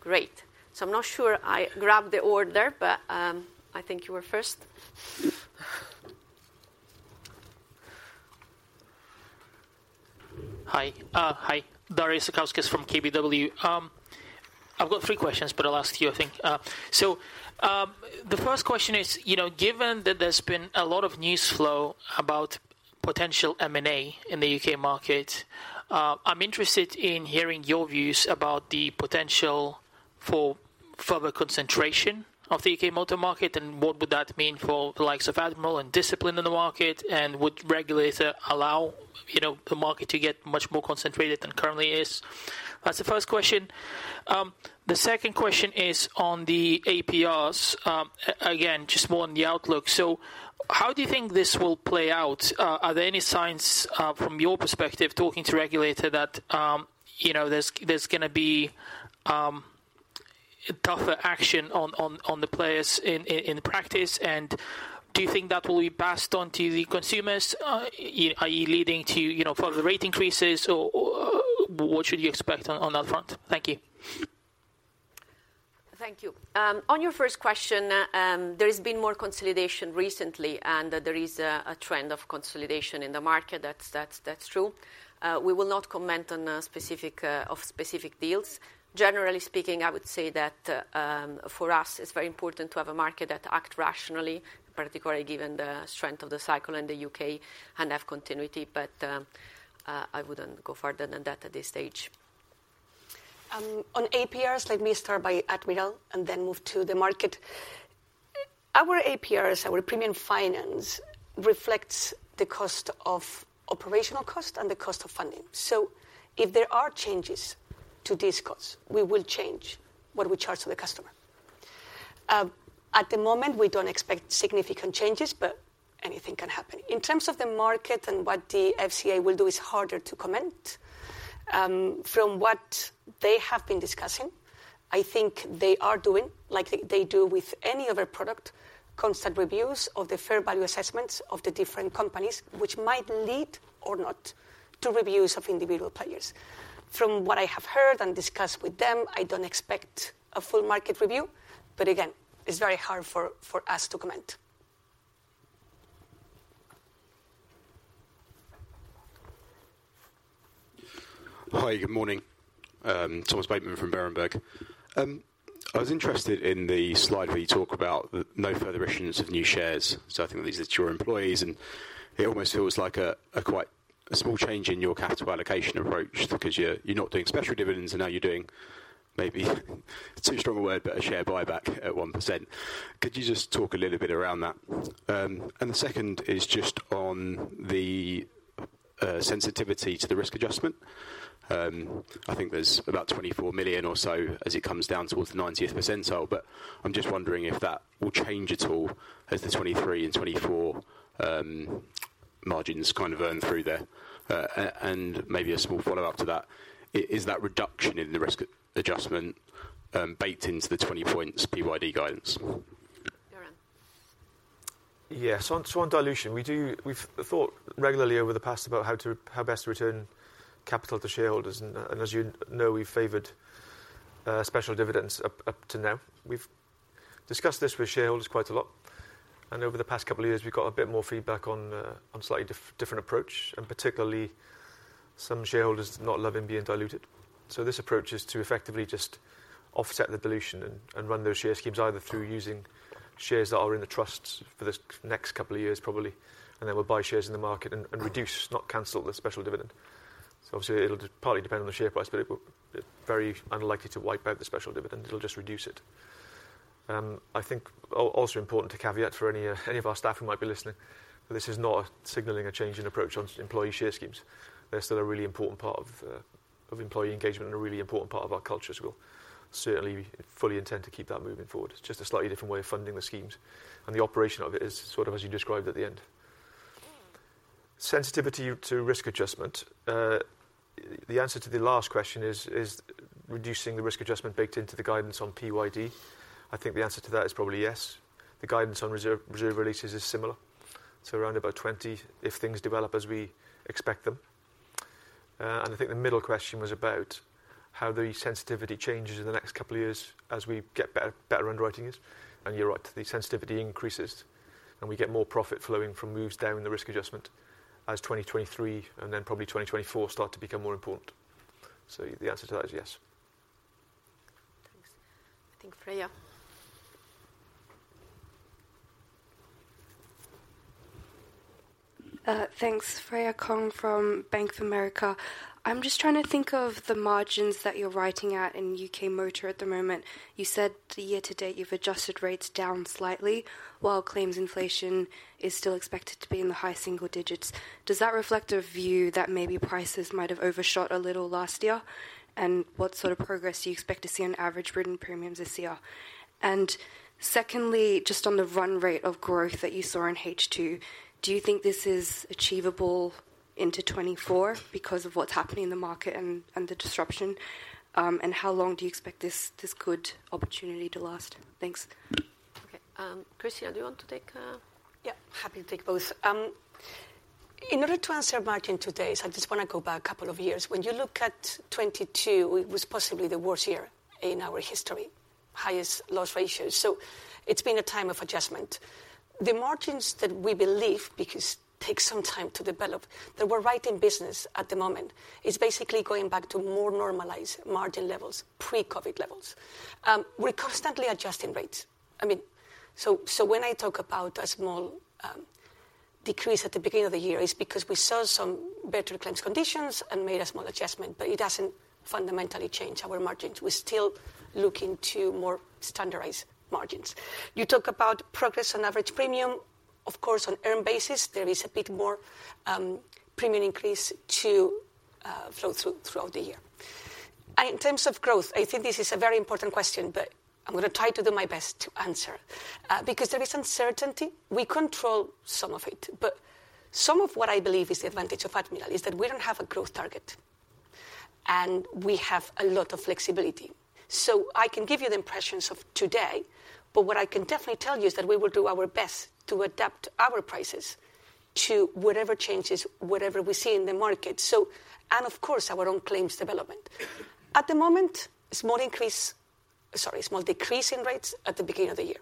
Great. So I'm not sure I grabbed the order. But I think you were first. Hi. Hi. Darius Satkauskas from KBW. I've got three questions. But I'll ask you, I think. So the first question is, given that there's been a lot of news flow about potential M&A in the U.K. market, I'm interested in hearing your views about the potential for further concentration of the U.K. motor market. And what would that mean for the likes of Admiral and discipline in the market? And would regulators allow the market to get much more concentrated than it currently is? That's the first question. The second question is on the APRs. Again, just more on the outlook. So how do you think this will play out? Are there any signs, from your perspective, talking to a regulator, that there's going to be tougher action on the players in practice? Do you think that will be passed on to the consumers, i.e., leading to further rate increases? Or what should you expect on that front? Thank you. Thank you. On your first question, there has been more consolidation recently. There is a trend of consolidation in the market. That's true. We will not comment on specific deals. Generally speaking, I would say that for us, it's very important to have a market that acts rationally, particularly given the strength of the cycle in the U.K. and have continuity. I wouldn't go further than that at this stage. On APRs, let me start by Admiral and then move to the market. Our APRs, our premium finance, reflects the cost of operational cost and the cost of funding. So if there are changes to these costs, we will change what we charge to the customer. At the moment, we don't expect significant changes. But anything can happen. In terms of the market and what the FCA will do, it's harder to comment. From what they have been discussing, I think they are doing, like they do with any other product, constant reviews of the fair value assessments of the different companies, which might lead or not to reviews of individual players. From what I have heard and discussed with them, I don't expect a full market review. But again, it's very hard for us to comment. Hi. Good morning. Thomas Bateman from Berenberg. I was interested in the slide where you talk about no further issuance of new shares. So I think these are your employees. And it almost feels like a quite small change in your capital allocation approach because you're not doing special dividends. And now you're doing maybe it's too strong a word, but a share buyback at 1%. Could you just talk a little bit around that? And the second is just on the sensitivity to the risk adjustment. I think there's about 24 million or so as it comes down towards the 90th percentile. But I'm just wondering if that will change at all as the 2023 and 2024 margins kind of earn through there. And maybe a small follow-up to that, is that reduction in the risk adjustment baked into the 20 points PYD guidance? Geraint. Yes. On dilution, we've thought regularly over the past about how best to return capital to shareholders. As you know, we've favored special dividends up to now. We've discussed this with shareholders quite a lot. Over the past couple of years, we've got a bit more feedback on a slightly different approach, and particularly some shareholders not loving being diluted. This approach is to effectively just offset the dilution and run those share schemes either through using shares that are in the trusts for the next couple of years, probably, and then we'll buy shares in the market and reduce, not cancel, the special dividend. Obviously, it'll partly depend on the share price. It's very unlikely to wipe out the special dividend. It'll just reduce it. I think also important to caveat for any of our staff who might be listening, this is not signaling a change in approach on employee share schemes. They're still a really important part of employee engagement and a really important part of our culture. So we'll certainly fully intend to keep that moving forward, just a slightly different way of funding the schemes. And the operation of it is sort of as you described at the end. Sensitivity to risk adjustment, the answer to the last question is reducing the risk adjustment baked into the guidance on PYD? I think the answer to that is probably yes. The guidance on reserve releases is similar. So around about 20 if things develop as we expect them. And I think the middle question was about how the sensitivity changes in the next couple of years as we get better underwriting is. You're right. The sensitivity increases. We get more profit flowing from moves down in the risk adjustment as 2023 and then probably 2024 start to become more important. The answer to that is yes. Thanks. I think Freya. Thanks. Freya Kong from Bank of America. I'm just trying to think of the margins that you're writing at in U.K. motor at the moment. You said the year to date, you've adjusted rates down slightly while claims inflation is still expected to be in the high single digits. Does that reflect a view that maybe prices might have overshot a little last year? And what sort of progress do you expect to see on average written premiums this year? And secondly, just on the run rate of growth that you saw in H2, do you think this is achievable into 2024 because of what's happening in the market and the disruption? And how long do you expect this good opportunity to last? Thanks. OK. Cristina, do you want to take? Yeah. Happy to take both. In order to answer margin today, I just want to go back a couple of years. When you look at 2022, it was possibly the worst year in our history, highest loss ratios. So it's been a time of adjustment. The margins that we believe because it takes some time to develop that we're right in business at the moment is basically going back to more normalized margin levels, pre-COVID levels. We're constantly adjusting rates. I mean, so when I talk about a small decrease at the beginning of the year, it's because we saw some better claims conditions and made a small adjustment. But it hasn't fundamentally changed our margins. We're still looking to more standardized margins. You talk about progress on average premium. Of course, on earned basis, there is a bit more premium increase to flow through throughout the year. In terms of growth, I think this is a very important question. I'm going to try to do my best to answer because there is uncertainty. We control some of it. Some of what I believe is the advantage of Admiral is that we don't have a growth target. We have a lot of flexibility. I can give you the impressions of today. What I can definitely tell you is that we will do our best to adapt our prices to whatever changes, whatever we see in the market, and of course, our own claims development. At the moment, small decrease in rates at the beginning of the year.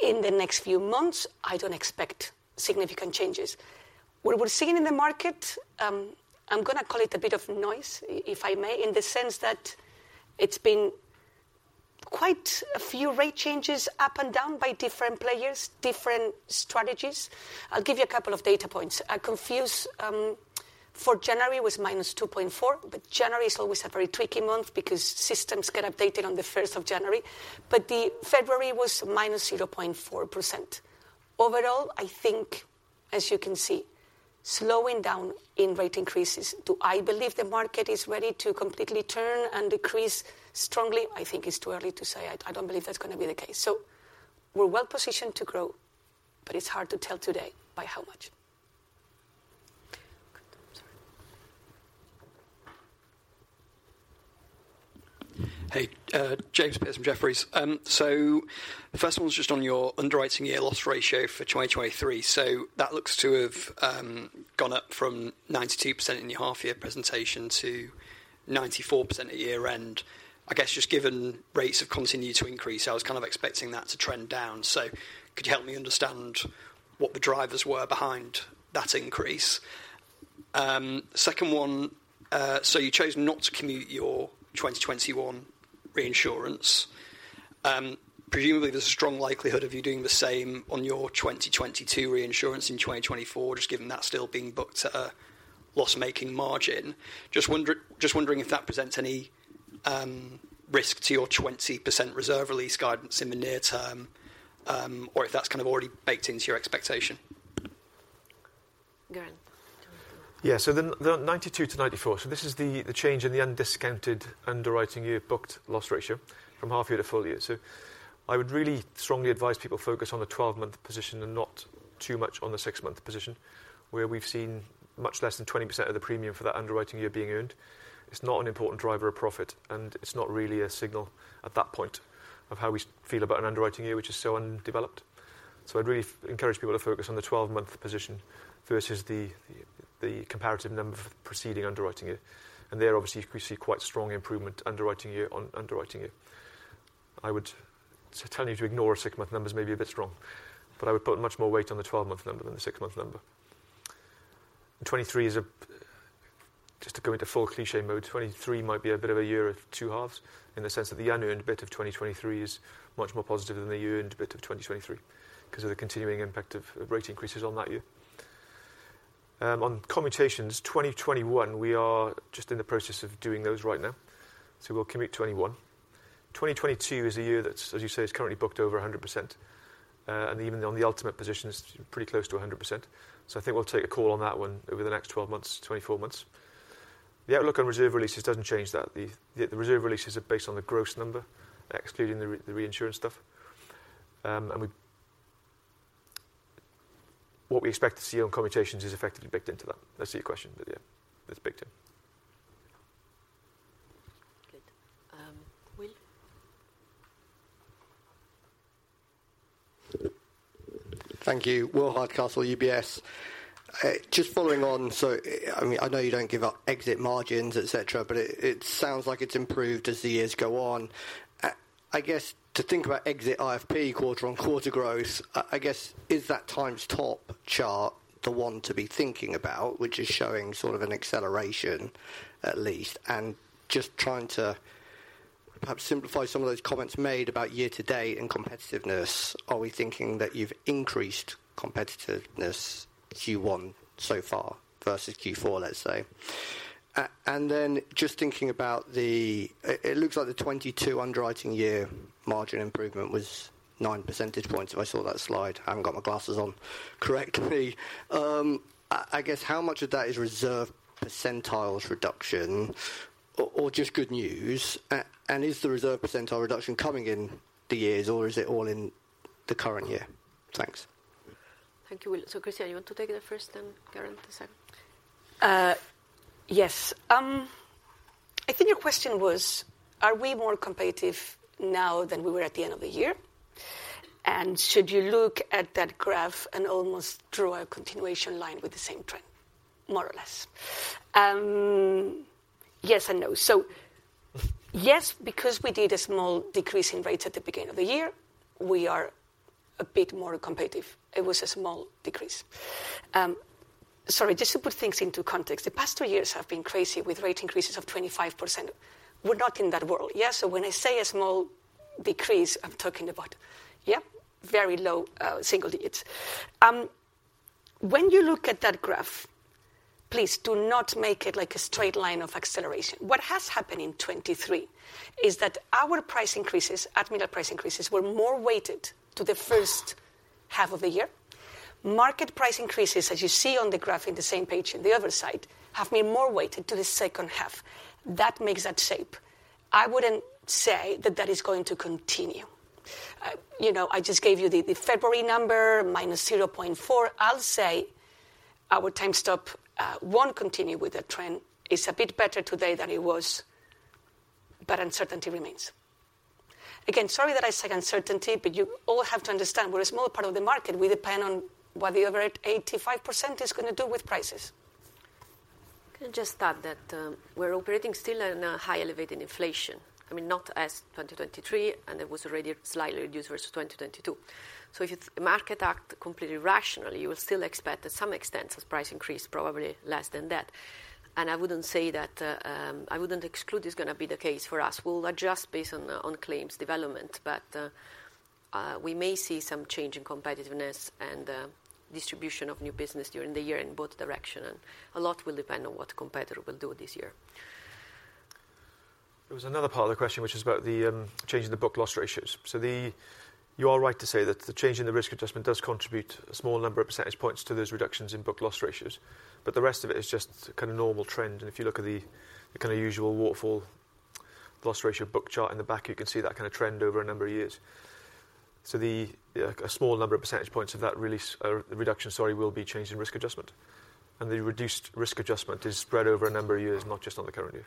In the next few months, I don't expect significant changes. What we're seeing in the market, I'm going to call it a bit of noise, if I may, in the sense that it's been quite a few rate changes up and down by different players, different strategies. I'll give you a couple of data points. I can use for January, it was -2.4%. But January is always a very tricky month because systems get updated on the 1st of January. But February was -0.4%. Overall, I think, as you can see, slowing down in rate increases. Do I believe the market is ready to completely turn and decrease strongly? I think it's too early to say. I don't believe that's going to be the case. So we're well positioned to grow. But it's hard to tell today by how much. Hey. James Pearse, Jefferies. So the first one's just on your underwriting year loss ratio for 2023. So that looks to have gone up from 92% in your half-year presentation to 94% at year-end. I guess just given rates have continued to increase, I was kind of expecting that to trend down. So could you help me understand what the drivers were behind that increase? Second one, so you chose not to commute your 2021 reinsurance. Presumably, there's a strong likelihood of you doing the same on your 2022 reinsurance in 2024, just given that's still being booked at a loss-making margin. Just wondering if that presents any risk to your 20% reserve release guidance in the near term or if that's kind of already baked into your expectation. Geraint. Yeah. So 92%-94%. So this is the change in the undiscounted underwriting year booked loss ratio from half-year to full-year. So I would really strongly advise people focus on the 12-month position and not too much on the six-month position, where we've seen much less than 20% of the premium for that underwriting year being earned. It's not an important driver of profit. And it's not really a signal at that point of how we feel about an underwriting year, which is so undeveloped. So I'd really encourage people to focus on the 12-month position versus the comparative number for the preceding underwriting year. And there, obviously, we see quite strong improvement underwriting year on underwriting year. I would tell you to ignore a six-month number. It's maybe a bit strong. But I would put much more weight on the 12-month number than the six-month number. 2023 is just going into full cliché mode. 2023 might be a bit of a year of two halves in the sense that the unearned bit of 2023 is much more positive than the earned bit of 2023 because of the continuing impact of rate increases on that year. On commutations, 2021, we are just in the process of doing those right now. So we'll commute 2021. 2022 is a year that, as you say, is currently booked over 100%. And even on the ultimate position, it's pretty close to 100%. So I think we'll take a call on that one over the next 12 months, 24 months. The outlook on reserve releases doesn't change that. The reserve releases are based on the gross number, excluding the reinsurance stuff. And what we expect to see on commutations is effectively baked into that. That's your question. But yeah, it's baked in. Good. Will. Thank you. Will Hardcastle, UBS. Just following on, so I mean, I know you don't give up exit margins, et cetera. But it sounds like it's improved as the years go on. I guess to think about exit IFP quarter-on-quarter growth, I guess, is that timestamp chart the one to be thinking about, which is showing sort of an acceleration at least? And just trying to perhaps simplify some of those comments made about year to date and competitiveness, are we thinking that you've increased competitiveness Q1 so far versus Q4, let's say? And then just thinking about the it looks like the 2022 underwriting year margin improvement was 9 percentage points. If I saw that slide, I haven't got my glasses on. Correct me. I guess, how much of that is reserve percentiles reduction or just good news? Is the reserve percentile reduction coming in the years? Or is it all in the current year? Thanks. Thank you, Will. So Cristina, you want to take the first and Geraint the second? Yes. I think your question was, are we more competitive now than we were at the end of the year? And should you look at that graph and almost draw a continuation line with the same trend, more or less? Yes and no. So yes, because we did a small decrease in rates at the beginning of the year, we are a bit more competitive. It was a small decrease. Sorry, just to put things into context, the past two years have been crazy with rate increases of 25%. We're not in that world, yes? So when I say a small decrease, I'm talking about, yeah, very low single digits. When you look at that graph, please do not make it like a straight line of acceleration. What has happened in 2023 is that our price increases, Admiral price increases, were more weighted to the first half of the year. Market price increases, as you see on the graph in the same page on the other side, have been more weighted to the second half. That makes that shape. I wouldn't say that that is going to continue. I just gave you the February number, -0.4%. I'll say our timestamp won't continue with that trend. It's a bit better today than it was. But uncertainty remains. Again, sorry that I say uncertainty. But you all have to understand, we're a small part of the market. We depend on what the other 85% is going to do with prices. Can I just add that we're operating still on a high elevated inflation, I mean, not as 2023. And it was already slightly reduced versus 2022. So if you market act completely rationally, you will still expect to some extent some price increase, probably less than that. I wouldn't say that I wouldn't exclude it's going to be the case for us. We'll adjust based on claims development. We may see some change in competitiveness and distribution of new business during the year in both directions. A lot will depend on what competitor will do this year. There was another part of the question, which is about the change in the book loss ratios. So you are right to say that the change in the risk adjustment does contribute a small number of percentage points to those reductions in book loss ratios. But the rest of it is just kind of normal trend. And if you look at the kind of usual waterfall loss ratio book chart in the back, you can see that kind of trend over a number of years. So a small number of percentage points of that reduction, sorry, will be changed in risk adjustment. And the reduced risk adjustment is spread over a number of years, not just on the current year.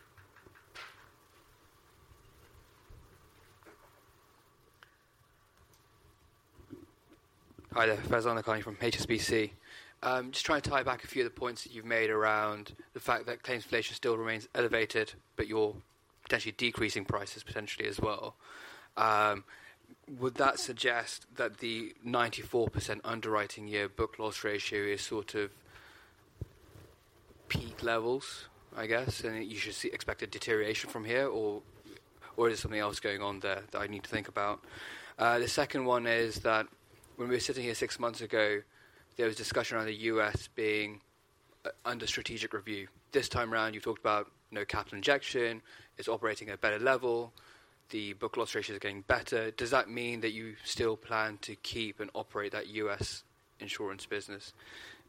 Hi there. Faizan Lakhani from HSBC. Just trying to tie back a few of the points that you've made around the fact that claims inflation still remains elevated but you're potentially decreasing prices potentially as well. Would that suggest that the 94% underwriting year book loss ratio is sort of peak levels, I guess? And you should expect a deterioration from here? Or is there something else going on there that I need to think about? The second one is that when we were sitting here six months ago, there was discussion around the U.S. being under strategic review. This time around, you've talked about no capital injection. It's operating at a better level. The book loss ratios are getting better. Does that mean that you still plan to keep and operate that U.S. insurance business?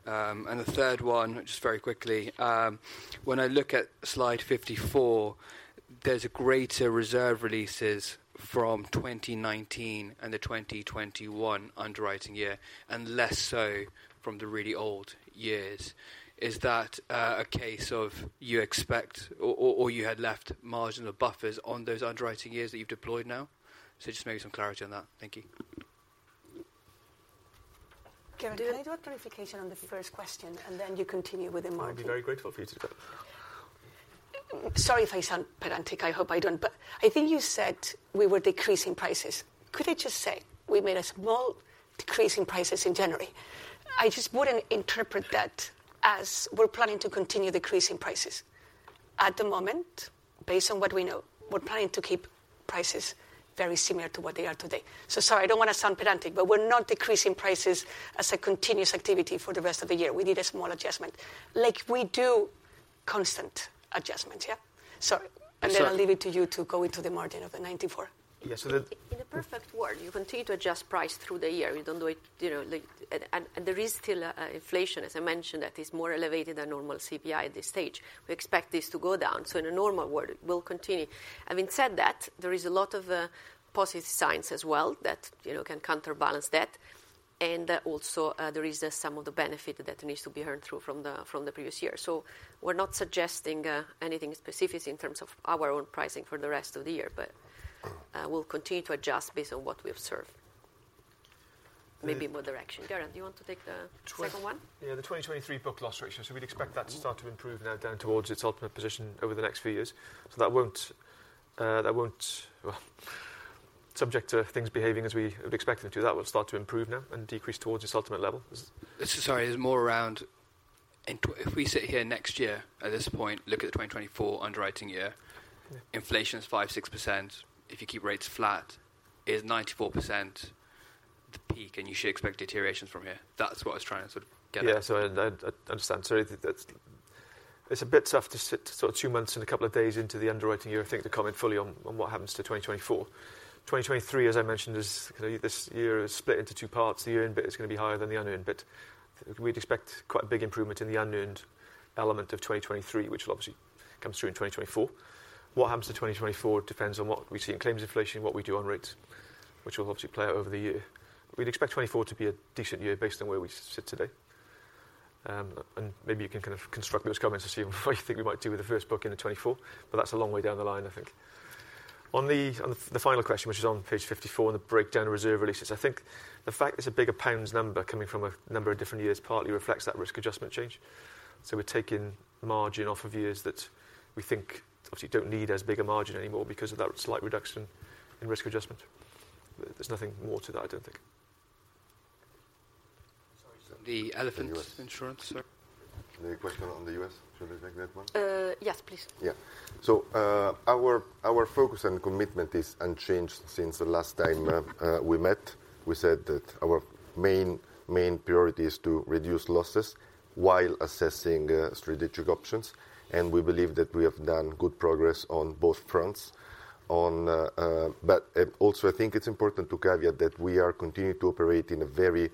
The third one, just very quickly, when I look at slide 54, there's greater reserve releases from 2019 and the 2021 underwriting year and less so from the really old years. Is that a case of you expect or you had left marginal buffers on those underwriting years that you've deployed now? So just maybe some clarity on that. Thank you. Geraint, do you want to do a clarification on the first question? And then you continue with the margin. I'd be very grateful for you to do that. Sorry if I sound pedantic. I hope I don't. But I think you said we were decreasing prices. Could I just say we made a small decrease in prices in January? I just wouldn't interpret that as we're planning to continue decreasing prices. At the moment, based on what we know, we're planning to keep prices very similar to what they are today. So sorry, I don't want to sound pedantic. But we're not decreasing prices as a continuous activity for the rest of the year. We did a small adjustment. We do constant adjustments, yeah? Sorry. And then I'll leave it to you to go into the margin of the 94%. Yeah. So in a perfect world, you continue to adjust price through the year. You don't do it and there is still inflation, as I mentioned, that is more elevated than normal CPI at this stage. We expect this to go down. So in a normal world, it will continue. Having said that, there is a lot of positive signs as well that can counterbalance that. And also, there is some of the benefit that needs to be earned through from the previous year. So we're not suggesting anything specific in terms of our own pricing for the rest of the year. But we'll continue to adjust based on what we observe. Maybe more direction. Geraint, do you want to take the second one? Yeah. The 2023 book loss ratio. So we'd expect that to start to improve now down towards its ultimate position over the next few years. So, well, subject to things behaving as we would expect them to, that will start to improve now and decrease towards its ultimate level. Sorry. It's more around if we sit here next year at this point, look at the 2024 underwriting year, inflation is 5%-6%. If you keep rates flat, is 94% the peak? And you should expect deteriorations from here. That's what I was trying to sort of get at. Yeah. So I understand. Sorry. It's a bit tough to sit sort of two months and a couple of days into the underwriting year and think to comment fully on what happens to 2024. 2023, as I mentioned, is kind of this year is split into two parts. The earned bit is going to be higher than the unearned bit. We'd expect quite a big improvement in the unearned element of 2023, which will obviously come through in 2024. What happens to 2024 depends on what we see in claims inflation, what we do on rates, which will obviously play out over the year. We'd expect 2024 to be a decent year based on where we sit today. And maybe you can kind of construct those comments to see what you think we might do with the first book in the 2024. But that's a long way down the line, I think. On the final question, which is on page 54 and the breakdown of reserve releases, I think the fact there's a bigger GBP number coming from a number of different years partly reflects that risk adjustment change. So we're taking margin off of years that we think, obviously, don't need as big a margin anymore because of that slight reduction in risk adjustment. There's nothing more to that, I don't think. Sorry. The Elephant Insurance, sorry. Can I have a question on the U.S.? Should I take that one? Yes, please. Yeah. So our focus and commitment is unchanged since the last time we met. We said that our main priority is to reduce losses while assessing strategic options. And we believe that we have done good progress on both fronts. But also, I think it's important to caveat that we are continuing to operate in a very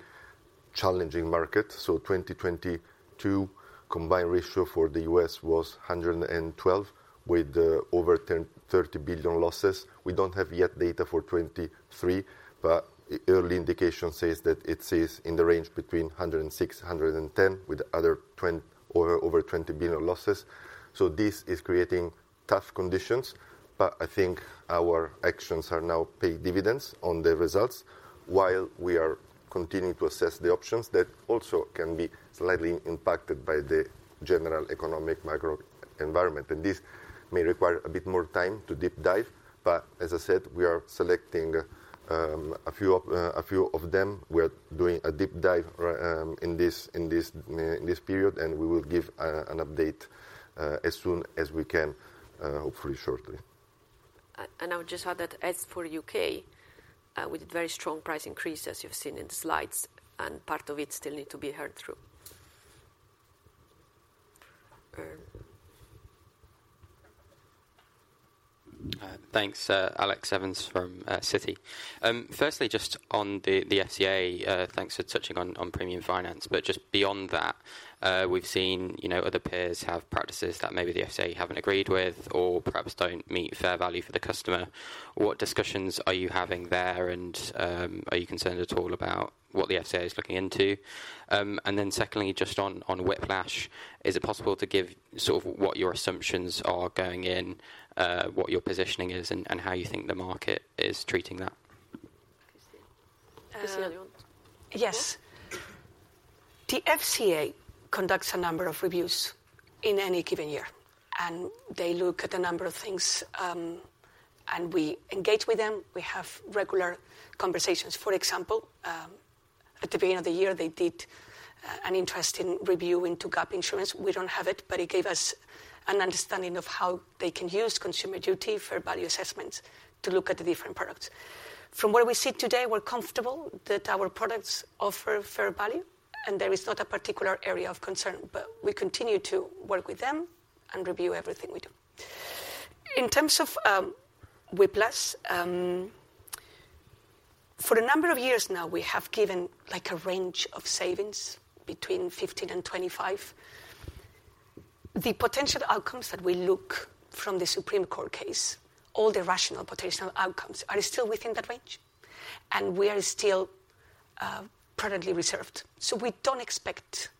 challenging market. So 2022, combined ratio for the U.S. was 112 with over $30 billion losses. We don't have yet data for 2023. But early indication says that it sits in the range between 106%-110% with over $20 billion losses. So this is creating tough conditions. But I think our actions are now paying dividends on the results while we are continuing to assess the options that also can be slightly impacted by the general economic microenvironment. And this may require a bit more time to deep dive. As I said, we are selecting a few of them. We are doing a deep dive in this period. We will give an update as soon as we can, hopefully shortly. I would just add that as for the U.K., with very strong price increases you've seen in the slides, and part of it still needs to be heard through. Thanks. Alex Evans from Citi. Firstly, just on the FCA, thanks for touching on premium finance. But just beyond that, we've seen other peers have practices that maybe the FCA haven't agreed with or perhaps don't meet fair value for the customer. What discussions are you having there? And are you concerned at all about what the FCA is looking into? And then secondly, just on whiplash, is it possible to give sort of what your assumptions are going in, what your positioning is, and how you think the market is treating that? Cristina? Cristina, do you want? Yes. The FCA conducts a number of reviews in any given year. They look at a number of things. We engage with them. We have regular conversations. For example, at the beginning of the year, they did an interesting review into GAP insurance. We don't have it. But it gave us an understanding of how they can use Consumer Duty, fair value assessments to look at the different products. From where we sit today, we're comfortable that our products offer fair value. There is not a particular area of concern. But we continue to work with them and review everything we do. In terms of whiplash, for a number of years now, we have given a range of savings between 15%-25%. The potential outcomes that we look from the Supreme Court case, all the rational potential outcomes, are still within that range. We are still prudently reserved. We don't expect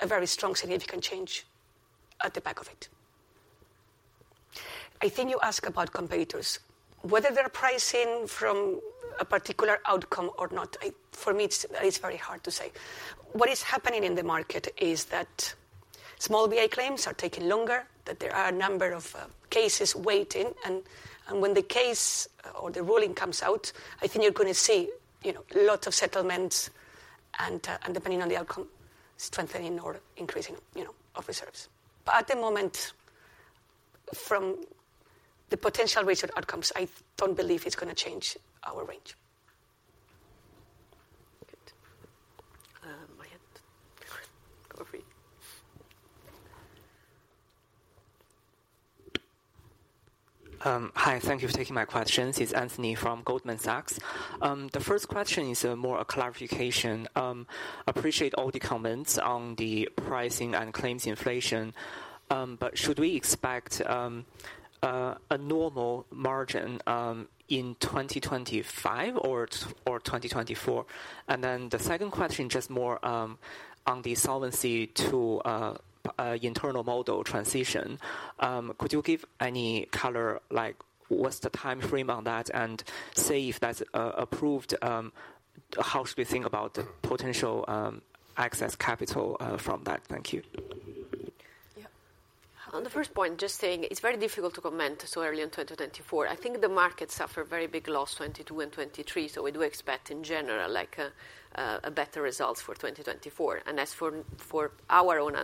a very strong, significant change at the back of it. I think you asked about competitors, whether they're pricing from a particular outcome or not. For me, it's very hard to say. What is happening in the market is that small value claims are taking longer, that there are a number of cases waiting. When the case or the ruling comes out, I think you're going to see a lot of settlements. Depending on the outcome, strengthening or increasing of reserves. But at the moment, from the potential risk outcomes, I don't believe it's going to change our range. My hand. Go for it. Hi. Thank you for taking my questions. It's Anthony from Goldman Sachs. The first question is more a clarification. I appreciate all the comments on the pricing and claims inflation. But should we expect a normal margin in 2025 or 2024? And then the second question, just more on the solvency II internal model transition, could you give any color? What's the time frame on that? And say if that's approved, how should we think about the potential access capital from that? Thank you. Yeah. On the first point, just saying it's very difficult to comment so early on 2024. I think the market suffered very big loss 2022 and 2023. So we do expect, in general, better results for 2024. And as for our own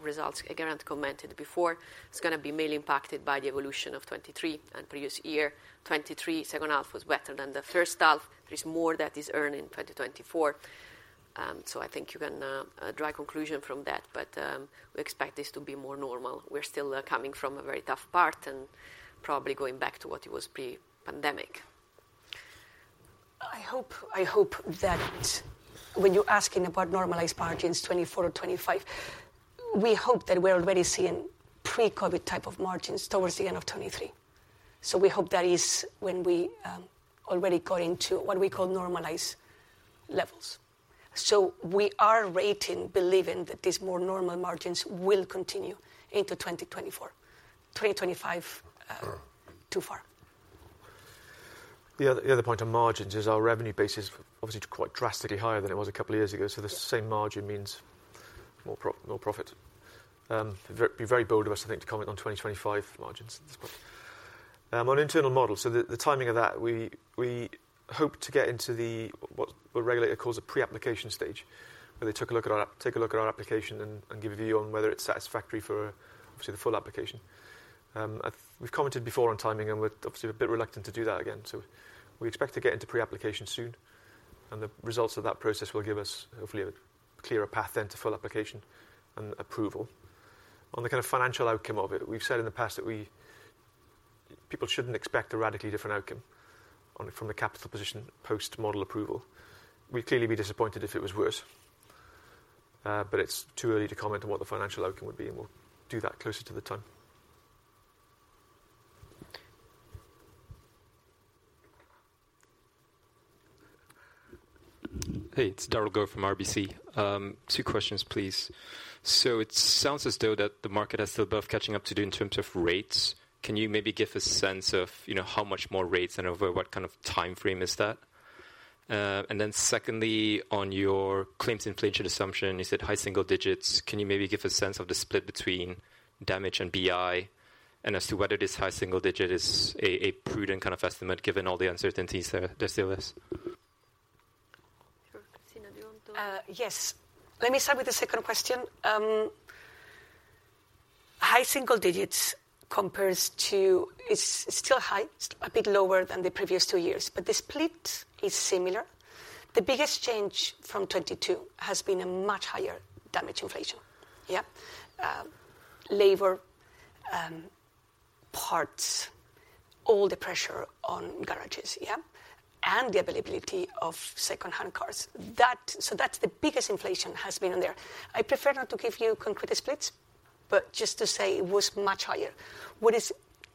results, Geraint commented before, it's going to be mainly impacted by the evolution of '23 and previous year. '23, second half, was better than the first half. There is more that is earned in 2024. So I think you can draw a conclusion from that. But we expect this to be more normal. We're still coming from a very tough part and probably going back to what it was pre-pandemic. I hope that when you're asking about normalized margins 2024 or 2025, we hope that we're already seeing pre-COVID type of margins towards the end of 2023. So we hope that is when we already got into what we call normalized levels. So we are rating, believing, that these more normal margins will continue into 2024. 2025, too far. The other point on margins is our revenue base is obviously quite drastically higher than it was a couple of years ago. So the same margin means more profit. It would be very bold of us, I think, to comment on 2025 margins. On internal model, so the timing of that, we hope to get into what regulator calls a pre-application stage, where they take a look at our application and give a view on whether it's satisfactory for, obviously, the full application. We've commented before on timing. And we're obviously a bit reluctant to do that again. So we expect to get into pre-application soon. And the results of that process will give us, hopefully, a clearer path then to full application and approval. On the kind of financial outcome of it, we've said in the past that people shouldn't expect a radically different outcome from the capital position post-model approval. We'd clearly be disappointed if it was worse. But it's too early to comment on what the financial outcome would be. And we'll do that closer to the time. Hey. It's Derald Goh from RBC. Two questions, please. So it sounds as though that the market has still both catching up to do in terms of rates. Can you maybe give a sense of how much more rates and over what kind of time frame is that? And then secondly, on your claims inflation assumption, you said high single digits. Can you maybe give a sense of the split between damage and BI? And as to whether this high single digit is a prudent kind of estimate given all the uncertainties there still is? Sure. Cristina, do you want to? Yes. Let me start with the second question. High single digits compares to it's still high, a bit lower than the previous two years. But the split is similar. The biggest change from 2022 has been a much higher damage inflation, yeah? Labor parts, all the pressure on garages, yeah? And the availability of second-hand cars. So that's the biggest inflation has been on there. I prefer not to give you concrete splits. But just to say it was much higher.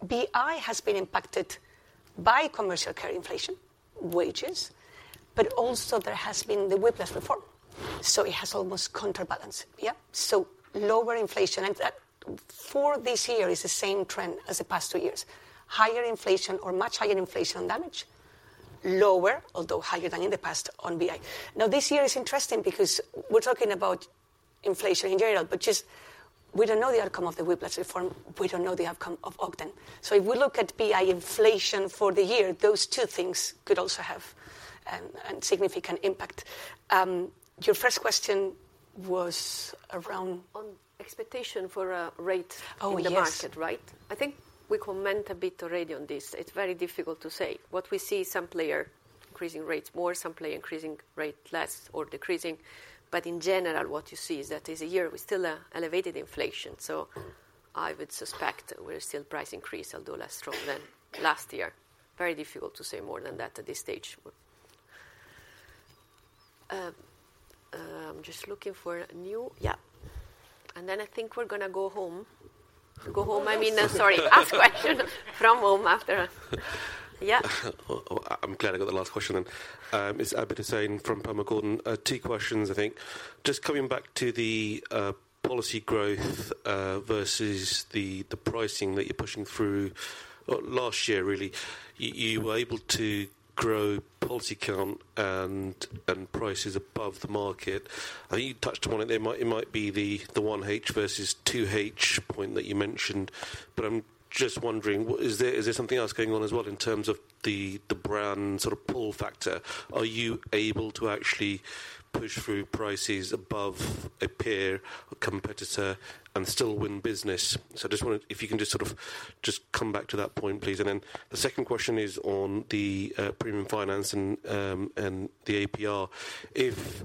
BI has been impacted by commercial care inflation, wages. But also, there has been the Whiplash Reform. So it has almost counterbalanced, yeah? So lower inflation. And for this year, it's the same trend as the past two years. Higher inflation or much higher inflation on damage, lower, although higher than in the past, on BI. Now, this year is interesting because we're talking about inflation in general. But, just, we don't know the outcome of the Whiplash Reform. We don't know the outcome of Ogden. So if we look at BI inflation for the year, those two things could also have a significant impact. Your first question was around. On expectation for a rate in the market, right? Oh, yes. I think we comment a bit already on this. It's very difficult to say. What we see is some player increasing rates more, some player increasing rate less or decreasing. But in general, what you see is that it's a year with still elevated inflation. So I would suspect we're still price increase, although less strong than last year. Very difficult to say more than that at this stage. I'm just looking for a new yeah. And then I think we're going to go home. Go home, I mean, sorry. Ask questions from home after yeah. I'm glad I got the last question then. It's Abid Hussain from Panmure Gordon. Two questions, I think. Just coming back to the policy growth versus the pricing that you're pushing through last year, really, you were able to grow policy count and prices above the market. I think you touched upon it. It might be the 1H versus 2H point that you mentioned. But I'm just wondering, is there something else going on as well in terms of the brand sort of pull factor? Are you able to actually push through prices above a peer or competitor and still win business? So I just wonder if you can just sort of just come back to that point, please. And then the second question is on the premium finance and the APR. If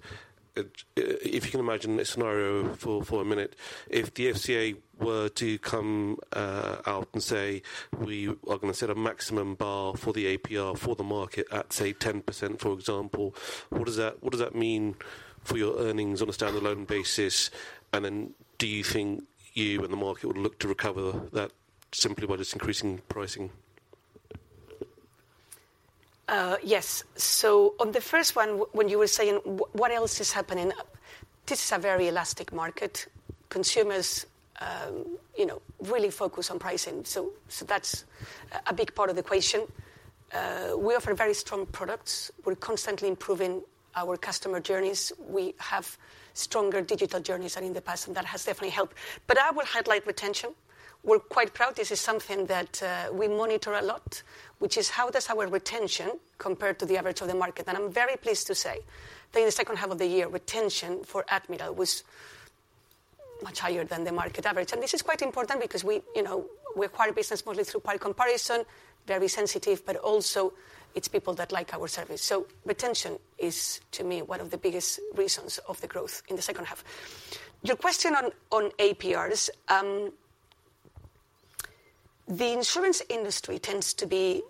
you can imagine a scenario for a minute, if the FCA were to come out and say, "We are going to set a maximum bar for the APR for the market at, say, 10%," for example, what does that mean for your earnings on a standalone basis? And then do you think you and the market would look to recover that simply by just increasing pricing? Yes. So on the first one, when you were saying what else is happening, this is a very elastic market. Consumers really focus on pricing. So that's a big part of the question. We offer very strong products. We're constantly improving our customer journeys. We have stronger digital journeys than in the past. And that has definitely helped. But I will highlight retention. We're quite proud. This is something that we monitor a lot, which is how does our retention compare to the average of the market? And I'm very pleased to say that in the second half of the year, retention for Admiral was much higher than the market average. And this is quite important because we acquire business mostly through price comparison, very sensitive. But also, it's people that like our service. So retention is, to me, one of the biggest reasons of the growth in the second half. Your question on APRs, the insurance industry tends to be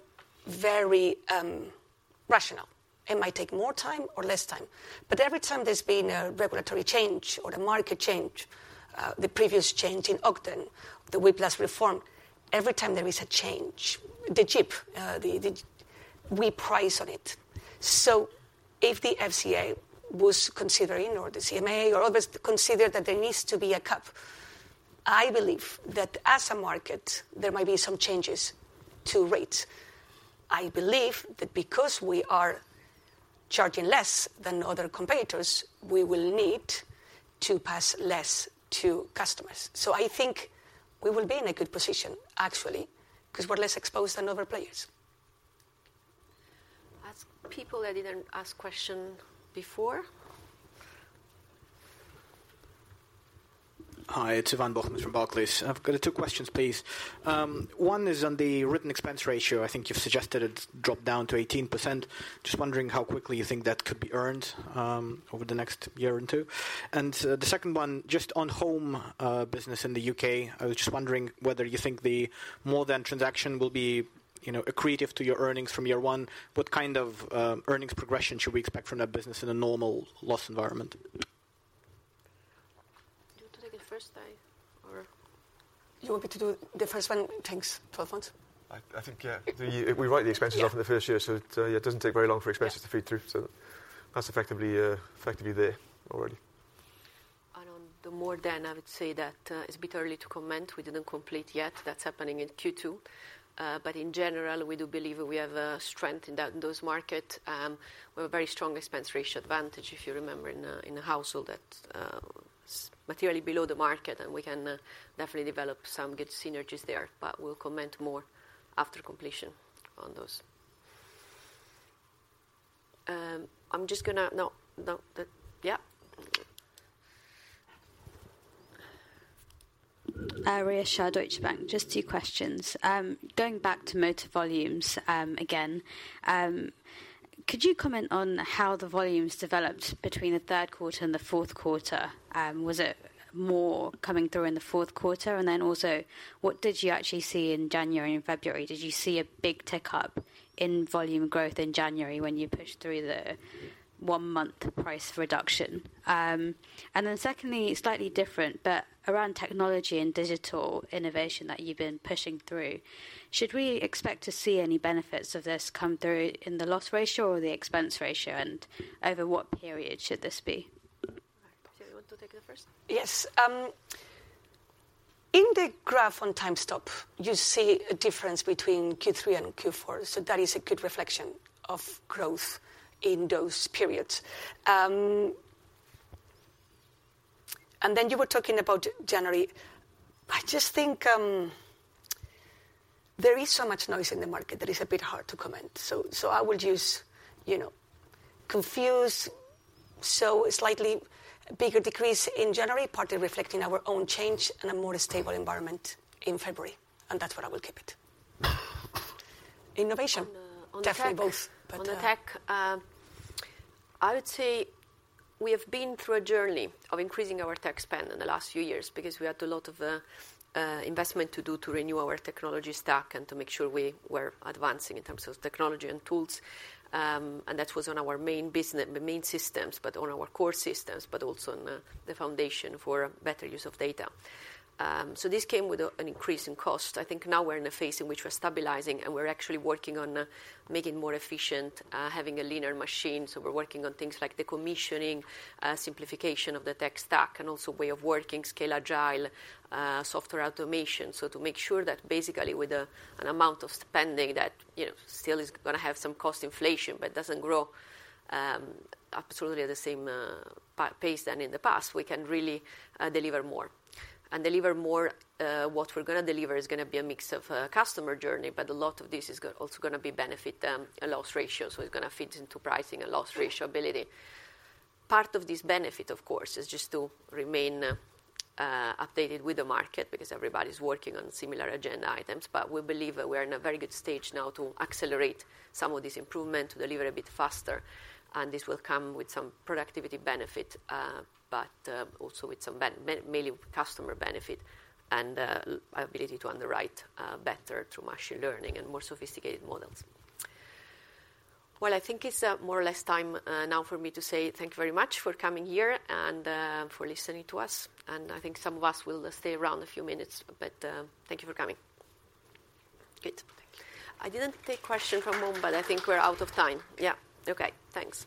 very rational. It might take more time or less time. But every time there's been a regulatory change or a market change, the previous change in Ogden, the Whiplash Reform, every time there is a change, we price on it. So if the FCA was considering or the CMA or others considered that there needs to be a cut, I believe that as a market, there might be some changes to rates. I believe that because we are charging less than other competitors, we will need to pass less to customers. So I think we will be in a good position, actually, because we're less exposed than other players. Ask people that didn't ask the question before. Hi. It's Ivan Bokhmat from Barclays. I've got two questions, please. One is on the written expense ratio. I think you've suggested it drop down to 18%. Just wondering how quickly you think that could be earned over the next year or two. The second one, just on home business in the U.K., I was just wondering whether you think the MORE THAN transaction will be accretive to your earnings from year one. What kind of earnings progression should we expect from that business in a normal loss environment? Do you want to take the first time or? You want me to do the first one? Thanks. 12 months? I think, yeah. We write the expenses off in the first year. So it doesn't take very long for expenses to feed through. So that's effectively there already. On the MORE THAN, I would say that it's a bit early to comment. We didn't complete yet. That's happening in Q2. But in general, we do believe we have strength in those markets. We have a very strong expense ratio advantage, if you remember, in a household that's materially below the market. And we can definitely develop some good synergies there. But we'll comment more after completion on those. I'm just going to yeah. Rhea Shah, Deutsche Bank. Just two questions. Going back to motor volumes again, could you comment on how the volumes developed between the third quarter and the fourth quarter? Was it more coming through in the fourth quarter? And then also, what did you actually see in January and February? Did you see a big tick-up in volume growth in January when you pushed through the one-month price reduction? And then secondly, slightly different, but around technology and digital innovation that you've been pushing through, should we expect to see any benefits of this come through in the loss ratio or the expense ratio? And over what period should this be? Cristina, do you want to take the first? Yes. In the graph on timestamp, you see a difference between Q3 and Q4. So that is a good reflection of growth in those periods. And then you were talking about January. I just think there is so much noise in the market that it's a bit hard to comment. So I would use Confused, so slightly bigger decrease in January, partly reflecting our own change and a more stable environment in February. And that's what I will keep it. Innovation? Definitely both. On the tech, I would say we have been through a journey of increasing our tech spend in the last few years because we had a lot of investment to do to renew our technology stack and to make sure we were advancing in terms of technology and tools. And that was on our main business, main systems, but on our core systems, but also on the foundation for better use of data. So this came with an increase in cost. I think now we're in a phase in which we're stabilizing. And we're actually working on making it more efficient, having a leaner machine. So we're working on things like decommissioning, simplification of the tech stack, and also way of working, Scaled Agile, software automation. So to make sure that basically, with an amount of spending that still is going to have some cost inflation but doesn't grow absolutely at the same pace than in the past, we can really deliver more. And deliver more, what we're going to deliver is going to be a mix of customer journey. But a lot of this is also going to be benefit and loss ratio. So it's going to fit into pricing and loss ratio ability. Part of this benefit, of course, is just to remain updated with the market because everybody's working on similar agenda items. But we believe that we are in a very good stage now to accelerate some of this improvement, to deliver a bit faster. And this will come with some productivity benefit, but also with some mainly customer benefit and ability to underwrite better through machine learning and more sophisticated models. Well, I think it's more or less time now for me to say thank you very much for coming here and for listening to us. And I think some of us will stay around a few minutes. But thank you for coming. Good. I didn't take a question from home. But I think we're out of time. Yeah. OK. Thanks.